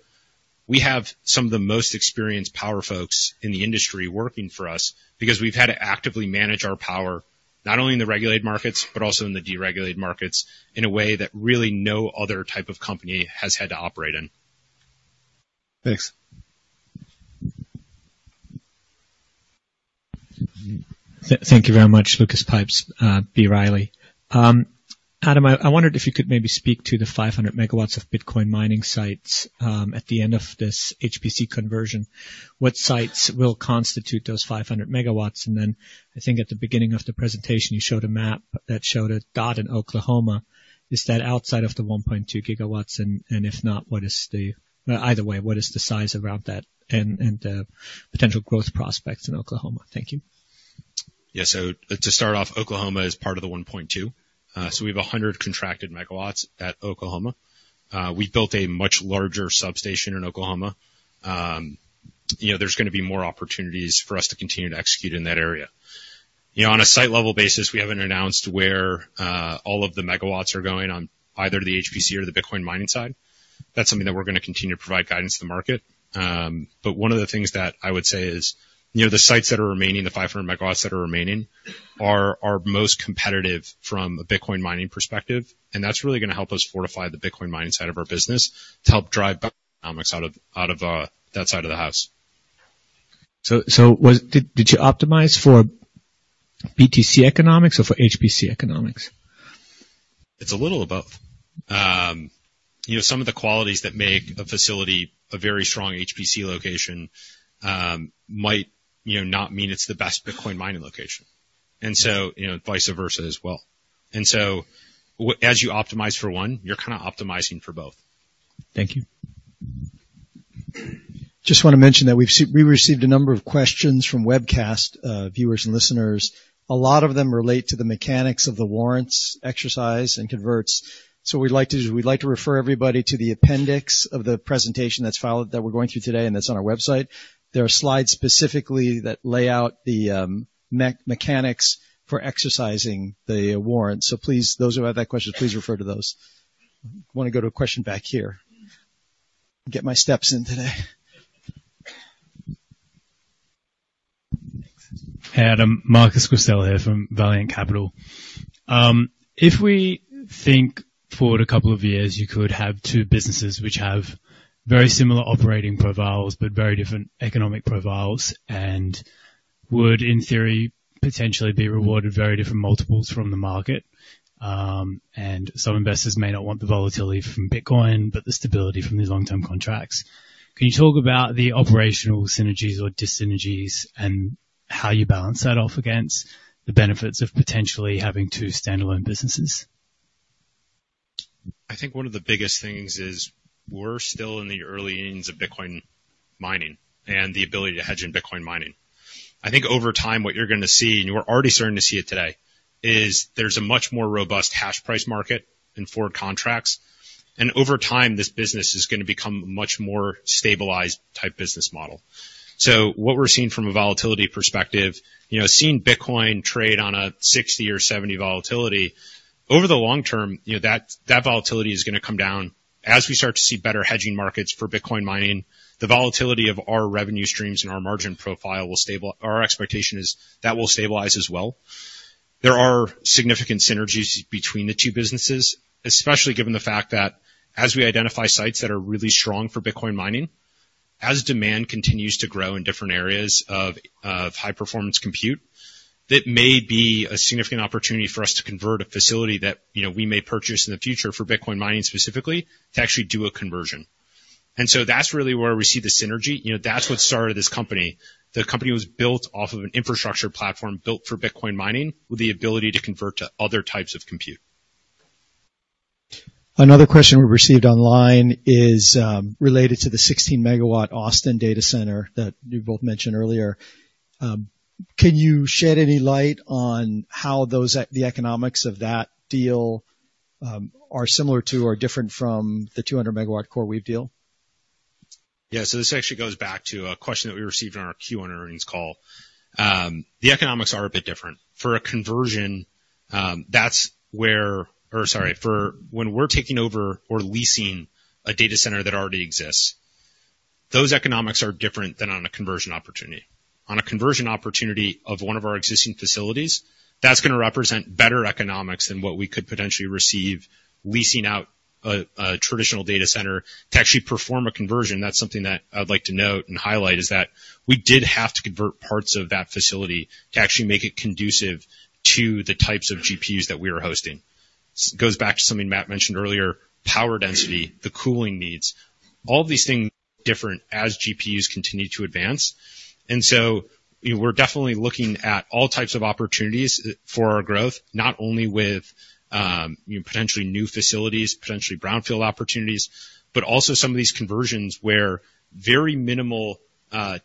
We have some of the most experienced power folks in the industry working for us because we've had to actively manage our power, not only in the regulated markets, but also in the deregulated markets, in a way that really no other type of company has had to operate in. Thanks. Thank you very much. Lucas Pipes, B. Riley. Adam, I wondered if you could maybe speak to the 500 megawatts of Bitcoin mining sites at the end of this HPC conversion. What sites will constitute those 500 megawatts? And then I think at the beginning of the presentation, you showed a map that showed a dot in Oklahoma. Is that outside of the 1.2 gigawatts? And if not, what is the... Either way, what is the size around that, and the potential growth prospects in Oklahoma? Thank you. Yeah. So to start off, Oklahoma is part of the 1.2. So we have 100 contracted megawatts at Oklahoma. We built a much larger substation in Oklahoma. You know, there's gonna be more opportunities for us to continue to execute in that area. You know, on a site level basis, we haven't announced where all of the megawatts are going on, either the HPC or the Bitcoin mining side. That's something that we're gonna continue to provide guidance to the market. But one of the things that I would say is, you know, the sites that are remaining, the 500 megawatts that are remaining, are most competitive from a Bitcoin mining perspective, and that's really gonna help us fortify the Bitcoin mining side of our business to help drive economics out of that side of the house. Did you optimize for BTC economics or for HPC economics? It's a little of both. You know, some of the qualities that make a facility a very strong HPC location might, you know, not mean it's the best Bitcoin mining location, and so, you know, vice versa as well. And so as you optimize for one, you're kind of optimizing for both. Thank you. Just want to mention that we've received a number of questions from webcast viewers and listeners. A lot of them relate to the mechanics of the warrants, exercise and converts, so we'd like to, we'd like to refer everybody to the appendix of the presentation that's followed, that we're going through today, and that's on our website. There are slides specifically that lay out the mechanics for exercising the warrants. So please, those who have that question, please refer to those. I want to go to a question back here. Get my steps in today. Hey, Adam. Marcus Castel here from Valiant Capital. If we think forward a couple of years, you could have two businesses which have very similar operating profiles, but very different economic profiles, and would, in theory, potentially be rewarded very different multiples from the market. And some investors may not want the volatility from Bitcoin, but the stability from these long-term contracts. Can you talk about the operational synergies or dis-synergies, and how you balance that off against the benefits of potentially having two standalone businesses? I think one of the biggest things is we're still in the early innings of Bitcoin mining and the ability to hedge in Bitcoin mining. I think over time, what you're gonna see, and you are already starting to see it today, is there's a much more robust hash price market and forward contracts. Over time, this business is gonna become a much more stabilized type business model. What we're seeing from a volatility perspective, you know, seeing Bitcoin trade on a 60 or 70% volatility, over the long term, you know, that volatility is gonna come down as we start to see better hedging markets for Bitcoin mining, the volatility of our revenue streams and our margin profile will stable. Our expectation is that will stabilize as well. There are significant synergies between the two businesses, especially given the fact that as we identify sites that are really strong for Bitcoin mining, as demand continues to grow in different areas of high performance compute, that may be a significant opportunity for us to convert a facility that, you know, we may purchase in the future for Bitcoin mining specifically, to actually do a conversion. And so that's really where we see the synergy. You know, that's what started this company. The company was built off of an infrastructure platform built for Bitcoin mining, with the ability to convert to other types of compute. Another question we received online is related to the 16-MW Austin data center that you both mentioned earlier. Can you shed any light on how the economics of that deal are similar to or different from the 200-MW CoreWeave deal? Yeah. So this actually goes back to a question that we received in our Q1 earnings call. The economics are a bit different. For a conversion, for when we're taking over or leasing a data center that already exists, those economics are different than on a conversion opportunity. On a conversion opportunity of one of our existing facilities, that's gonna represent better economics than what we could potentially receive leasing out a traditional data center to actually perform a conversion. That's something that I'd like to note and highlight, is that we did have to convert parts of that facility to actually make it conducive to the types of GPUs that we were hosting. It goes back to something Matt mentioned earlier, power density, the cooling needs, all these things different as GPUs continue to advance. And so we're definitely looking at all types of opportunities for our growth, not only with potentially new facilities, potentially brownfield opportunities, but also some of these conversions where very minimal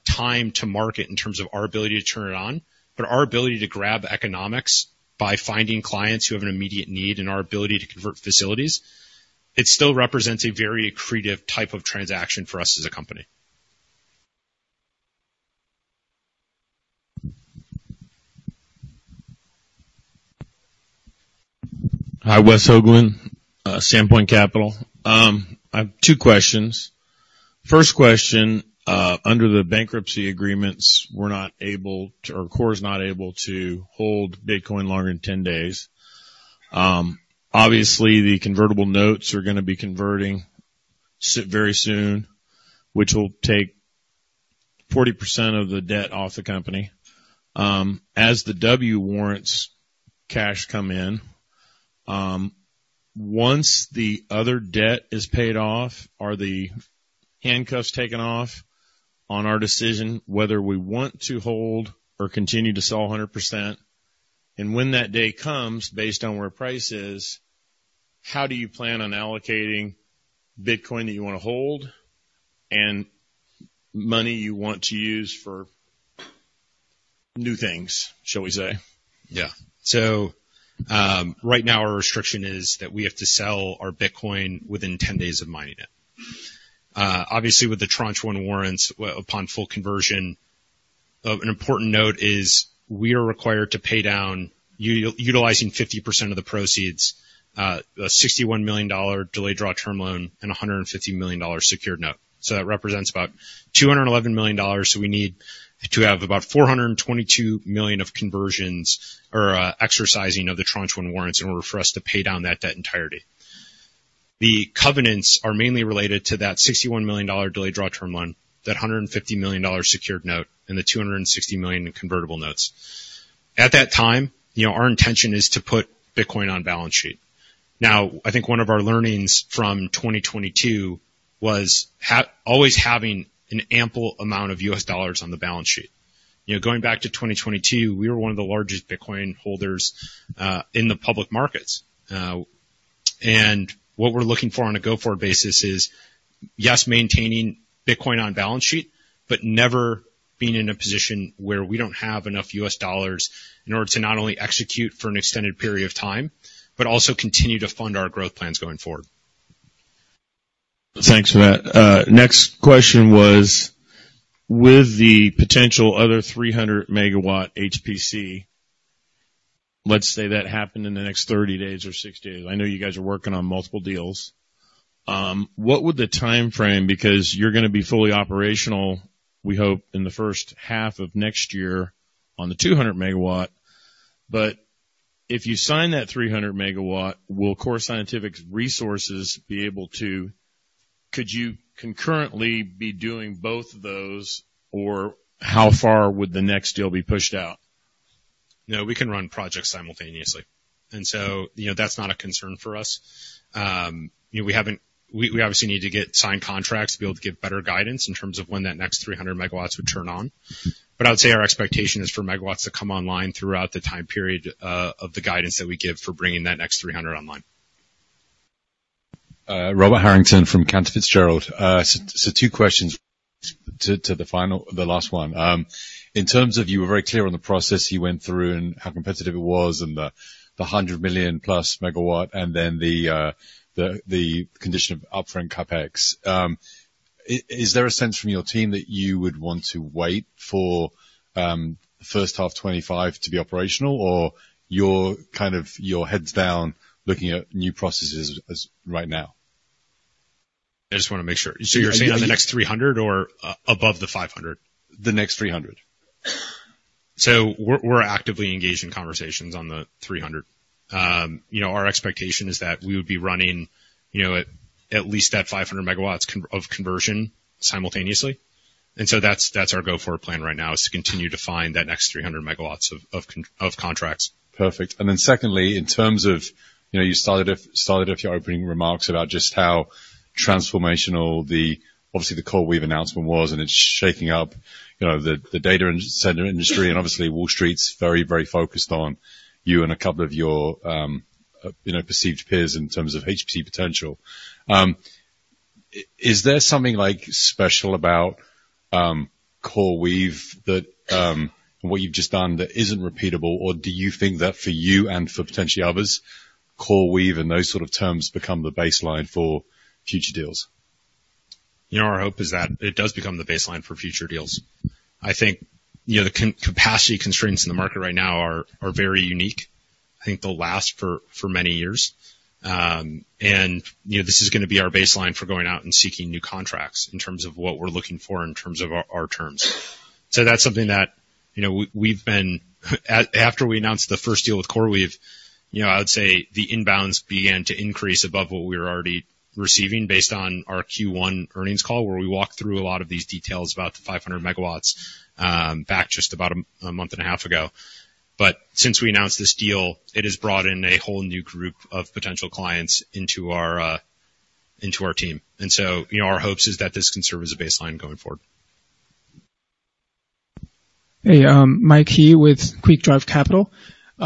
time to market in terms of our ability to turn it on. But our ability to grab economics by finding clients who have an immediate need and our ability to convert facilities, it still represents a very accretive type of transaction for us as a company. Hi, Wes Hoglund, Sandpointe Capital. I have two questions. First question, under the bankruptcy agreements, we're not able to, or Core is not able to hold Bitcoin longer than 10 days. Obviously, the convertible notes are gonna be converting very soon, which will take 40% of the debt off the company. As the W warrants cash come in, once the other debt is paid off, are the handcuffs taken off on our decision whether we want to hold or continue to sell 100%? And when that day comes, based on where price is, how do you plan on allocating Bitcoin that you want to hold and money you want to use for new things, shall we say? Yeah. So, right now our restriction is that we have to sell our Bitcoin within 10 days of mining it. Obviously, with the Tranche 1 Warrants, well, upon full conversion, an important note is we are required to pay down, utilizing 50% of the proceeds, a $61 million delayed draw term loan and a $150 million secured note. So that represents about $211 million, so we need to have about $422 million of conversions or exercising of the Tranche 1 Warrants in order for us to pay down that debt entirety. The covenants are mainly related to that $61 million delayed draw term loan, that $150 million secured note, and the $260 million in convertible notes. At that time, you know, our intention is to put Bitcoin on balance sheet. Now, I think one of our learnings from 2022 was always having an ample amount of US dollars on the balance sheet. You know, going back to 2022, we were one of the largest Bitcoin holders in the public markets. And what we're looking for on a go-forward basis is, yes, maintaining Bitcoin on balance sheet, but never being in a position where we don't have enough US dollars in order to not only execute for an extended period of time, but also continue to fund our growth plans going forward. Thanks for that. Next question was, with the potential other 300-megawatt HPC, let's say that happened in the next 30 days or 6 days, I know you guys are working on multiple deals. What would the time frame, because you're gonna be fully operational, we hope, in the first half of next year on the 200-megawatt, but if you sign that 300-megawatt, will Core Scientific's resources be able to—Could you concurrently be doing both of those, or how far would the next deal be pushed out? No, we can run projects simultaneously, and so, you know, that's not a concern for us. You know, we haven't, we obviously need to get signed contracts to be able to give better guidance in terms of when that next 300 megawatts would turn on. But I would say our expectation is for megawatts to come online throughout the time period of the guidance that we give for bringing that next 300 online. Robert Harrington from Cantor Fitzgerald. So two questions to the final—the last one. In terms of you were very clear on the process you went through and how competitive it was and the 100 megawatt-plus, and then the condition of upfront CapEx. Is there a sense from your team that you would want to wait for the first half of 2025 to be operational? Or you're kind of, your head's down, looking at new processes as right now? I just wanna make sure. So you're saying on the next 300 or, above the 500? The next 300. So we're actively engaged in conversations on the 300. You know, our expectation is that we would be running, you know, at least that 500 MW of conversion simultaneously. And so that's our go forward plan right now, is to continue to find that next 300 MW of contracts. Perfect. And then secondly, in terms of, you know, you started off your opening remarks about just how transformational the, obviously, the CoreWeave announcement was, and it's shaking up, you know, the data center industry, and obviously, Wall Street's very, very focused on you and a couple of your, you know, perceived peers in terms of HPC potential. Is there something, like, special about CoreWeave that, what you've just done that isn't repeatable? Or do you think that for you and for potentially others, CoreWeave and those sort of terms become the baseline for future deals? You know, our hope is that it does become the baseline for future deals. I think, you know, the capacity constraints in the market right now are very unique. I think they'll last for many years. And, you know, this is gonna be our baseline for going out and seeking new contracts in terms of what we're looking for in terms of our terms. So that's something that, you know, we, we've been... After we announced the first deal with CoreWeave, you know, I would say the inbounds began to increase above what we were already receiving based on our Q1 earnings call, where we walked through a lot of these details about the 500 MW, back just about a month and a half ago. But since we announced this deal, it has brought in a whole new group of potential clients into our team. And so, you know, our hopes is that this can serve as a baseline going forward. Hey, Mike He with Woodline Capital.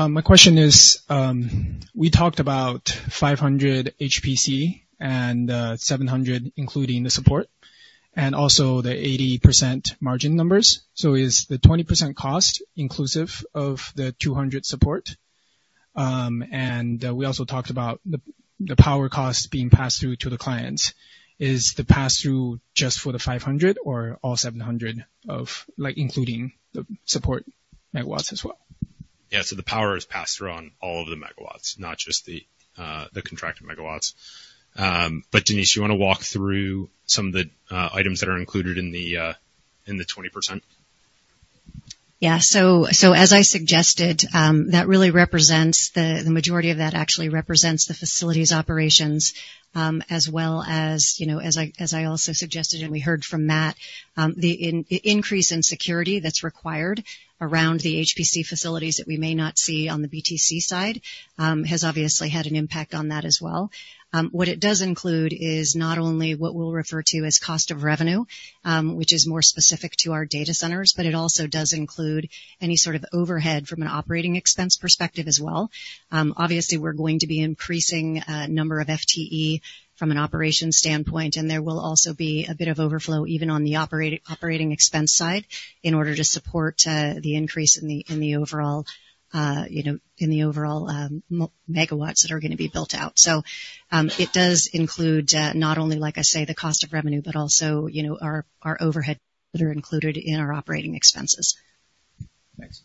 My question is, we talked about 500 HPC and 700, including the support, and also the 80% margin numbers. So is the 20% cost inclusive of the 200 support? And we also talked about the power costs being passed through to the clients. Is the pass-through just for the 500 or all 700 of, like, including the support megawatts as well? Yeah, so the power is passed through on all of the megawatts, not just the contracted megawatts. But Denise, you wanna walk through some of the items that are included in the 20%? Yeah. So as I suggested, that really represents the majority of that actually represents the facilities operations, as well as, you know, as I also suggested, and we heard from Matt, the increase in security that's required around the HPC facilities that we may not see on the BTC side, has obviously had an impact on that as well. What it does include is not only what we'll refer to as cost of revenue, which is more specific to our data centers, but it also does include any sort of overhead from an operating expense perspective as well. Obviously, we're going to be increasing number of FTE from an operations standpoint, and there will also be a bit of overflow, even on the operating expense side, in order to support the increase in the overall, you know, in the overall megawatts that are gonna be built out. So, it does include, not only, like I say, the cost of revenue, but also, you know, our, our overhead that are included in our operating expenses. Thanks.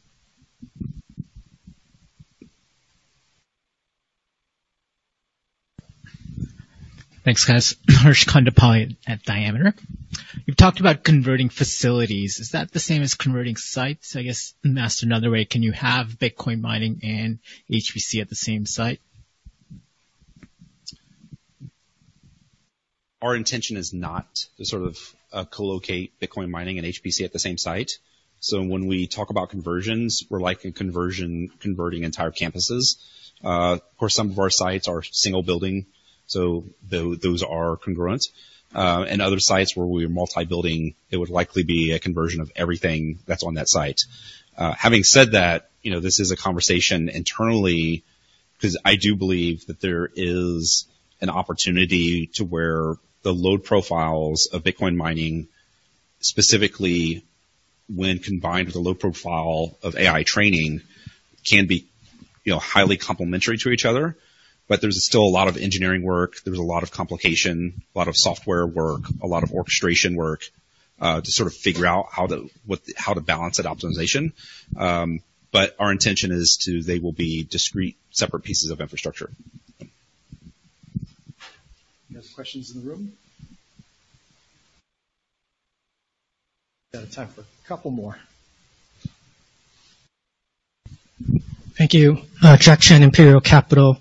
Thanks, guys. Harsh Kondapalli at Diameter. You've talked about converting facilities. Is that the same as converting sites? I guess, and asked another way, can you have Bitcoin mining and HPC at the same site? Our intention is not to sort of co-locate Bitcoin mining and HPC at the same site. So when we talk about conversions, we're likely converting entire campuses. Of course, some of our sites are single building, so those are congruent. And other sites, where we're multi-building, it would likely be a conversion of everything that's on that site. Having said that, you know, this is a conversation internally, 'cause I do believe that there is an opportunity where the load profiles of Bitcoin mining, specifically when combined with a load profile of AI training, can be, you know, highly complementary to each other. But there's still a lot of engineering work, there's a lot of complication, a lot of software work, a lot of orchestration work, to sort of figure out how to—what, how to balance that optimization. But our intention is to, they will be discrete, separate pieces of infrastructure. Any other questions in the room? Got time for a couple more. Thank you. Jack Chen, Imperial Capital.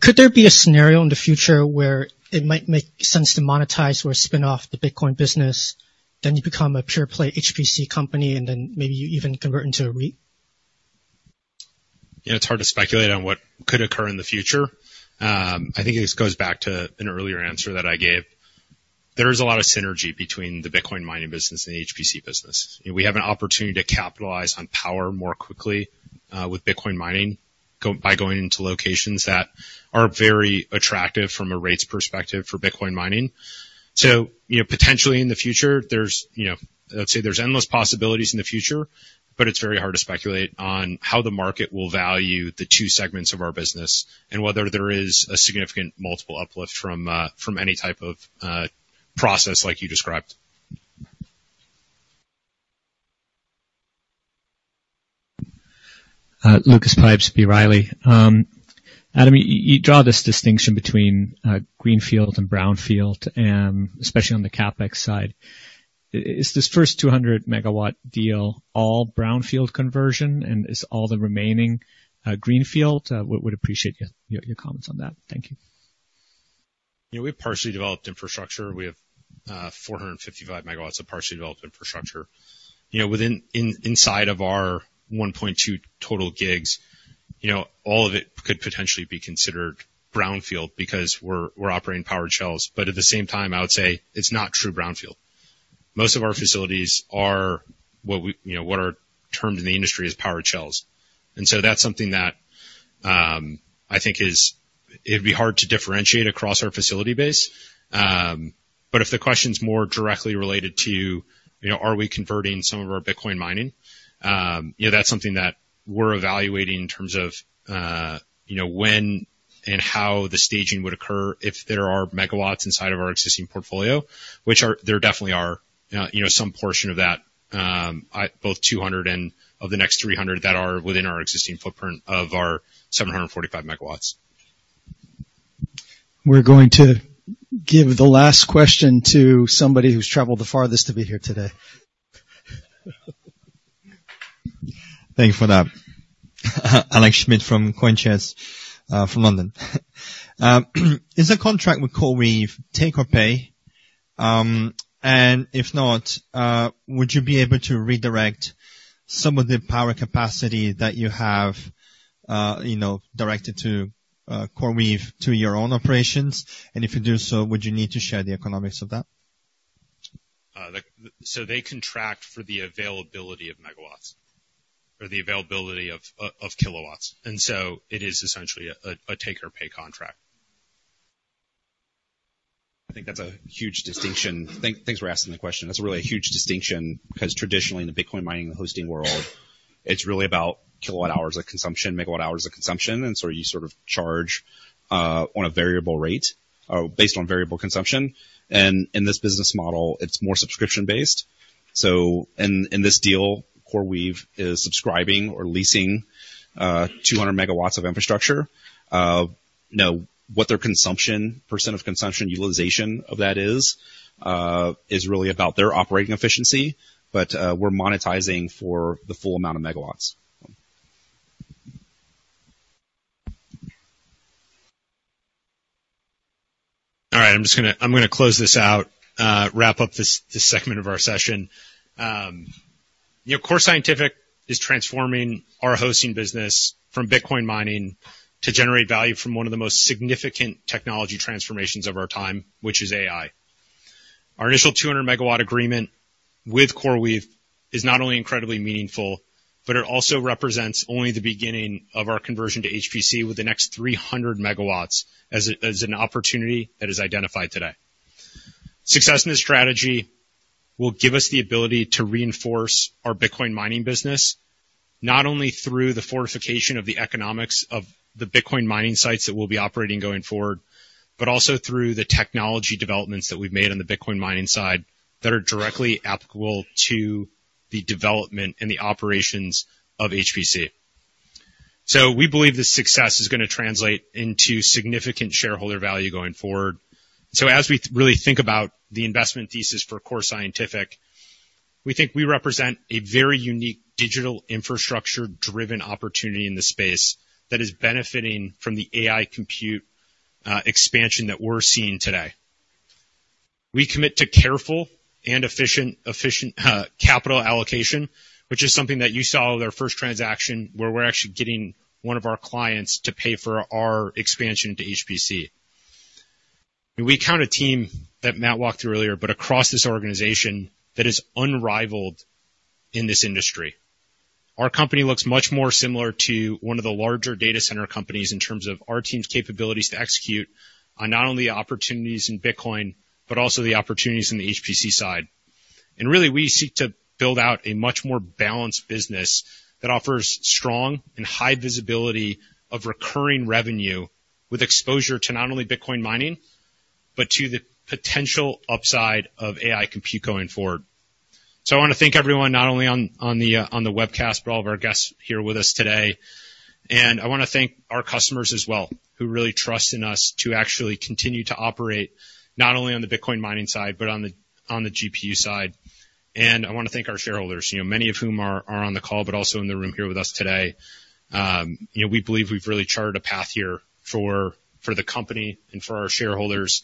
Could there be a scenario in the future where it might make sense to monetize or spin off the Bitcoin business, then you become a pure play HPC company, and then maybe you even convert into a REIT? You know, it's hard to speculate on what could occur in the future. I think this goes back to an earlier answer that I gave. There is a lot of synergy between the Bitcoin mining business and the HPC business. You know, we have an opportunity to capitalize on power more quickly, with Bitcoin mining, by going into locations that are very attractive from a rates perspective for Bitcoin mining. So, you know, potentially in the future, there's, you know, I'd say there's endless possibilities in the future, but it's very hard to speculate on how the market will value the two segments of our business, and whether there is a significant multiple uplift from any type of process like you described. Lucas Pipes, B. Riley. Adam, you, you draw this distinction between greenfield and brownfield, and especially on the CapEx side. Is this first 200-MW deal all brownfield conversion, and is all the remaining greenfield? Would, would appreciate your, your comments on that. Thank you. Yeah, we have partially developed infrastructure. We have 455 MW of partially developed infrastructure. You know, within in, inside of our 1.2 total GW, you know, all of it could potentially be considered brownfield because we're operating powered shells. But at the same time, I would say it's not true brownfield. Most of our facilities are what we... You know, what are termed in the industry as powered shells. And so that's something that, I think is it'd be hard to differentiate across our facility base. But if the question's more directly related to, you know, are we converting some of our Bitcoin mining? Yeah, that's something that we're evaluating in terms of, you know, when and how the staging would occur if there are megawatts inside of our existing portfolio, which are—there definitely are, you know, some portion of that, I... Both 200 and of the next 300 that are within our existing footprint of our 745 MW. We're going to give the last question to somebody who's traveled the farthest to be here today. Thank you for that. Alex Schmidt from CoinShares, from London. Is the contract with CoreWeave take or pay? And if not, would you be able to redirect some of the power capacity that you have, you know, directed to, CoreWeave to your own operations? And if you do so, would you need to share the economics of that? So they contract for the availability of megawatts or the availability of kilowatts, and so it is essentially a take or pay contract. I think that's a huge distinction. Thanks for asking the question. That's really a huge distinction because traditionally in the Bitcoin mining and hosting world, it's really about kilowatt hours of consumption, megawatt hours of consumption, and so you sort of charge on a variable rate or based on variable consumption. And in this business model, it's more subscription-based. So in this deal, CoreWeave is subscribing or leasing 200 megawatts of infrastructure. Now, what their consumption, percent of consumption, utilization of that is, is really about their operating efficiency, but we're monetizing for the full amount of megawatts. All right, I'm just gonna—I'm gonna close this out, wrap up this segment of our session. You know, Core Scientific is transforming our hosting business from Bitcoin mining to generate value from one of the most significant technology transformations of our time, which is AI. Our initial 200 MW agreement with CoreWeave is not only incredibly meaningful, but it also represents only the beginning of our conversion to HPC, with the next 300 MW as an opportunity that is identified today. Success in this strategy will give us the ability to reinforce our Bitcoin mining business, not only through the fortification of the economics of the Bitcoin mining sites that we'll be operating going forward, but also through the technology developments that we've made on the Bitcoin mining side that are directly applicable to the development and the operations of HPC. So we believe the success is gonna translate into significant shareholder value going forward. So as we really think about the investment thesis for Core Scientific, we think we represent a very unique digital infrastructure-driven opportunity in the space that is benefiting from the AI compute expansion that we're seeing today. We commit to careful and efficient capital allocation, which is something that you saw with our first transaction, where we're actually getting one of our clients to pay for our expansion into HPC. And we count a team that Matt walked through earlier, but across this organization that is unrivaled in this industry. Our company looks much more similar to one of the larger data center companies in terms of our team's capabilities to execute on not only the opportunities in Bitcoin, but also the opportunities in the HPC side. Really, we seek to build out a much more balanced business that offers strong and high visibility of recurring revenue, with exposure to not only Bitcoin mining, but to the potential upside of AI compute going forward. I want to thank everyone, not only on the webcast, but all of our guests here with us today. I want to thank our customers as well, who really trust in us to actually continue to operate not only on the Bitcoin mining side, but on the GPU side. I want to thank our shareholders, you know, many of whom are on the call, but also in the room here with us today. You know, we believe we've really charted a path here for the company and for our shareholders,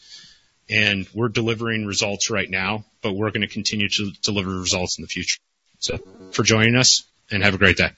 and we're delivering results right now, but we're gonna continue to deliver results in the future. So thank you for joining us, and have a great day.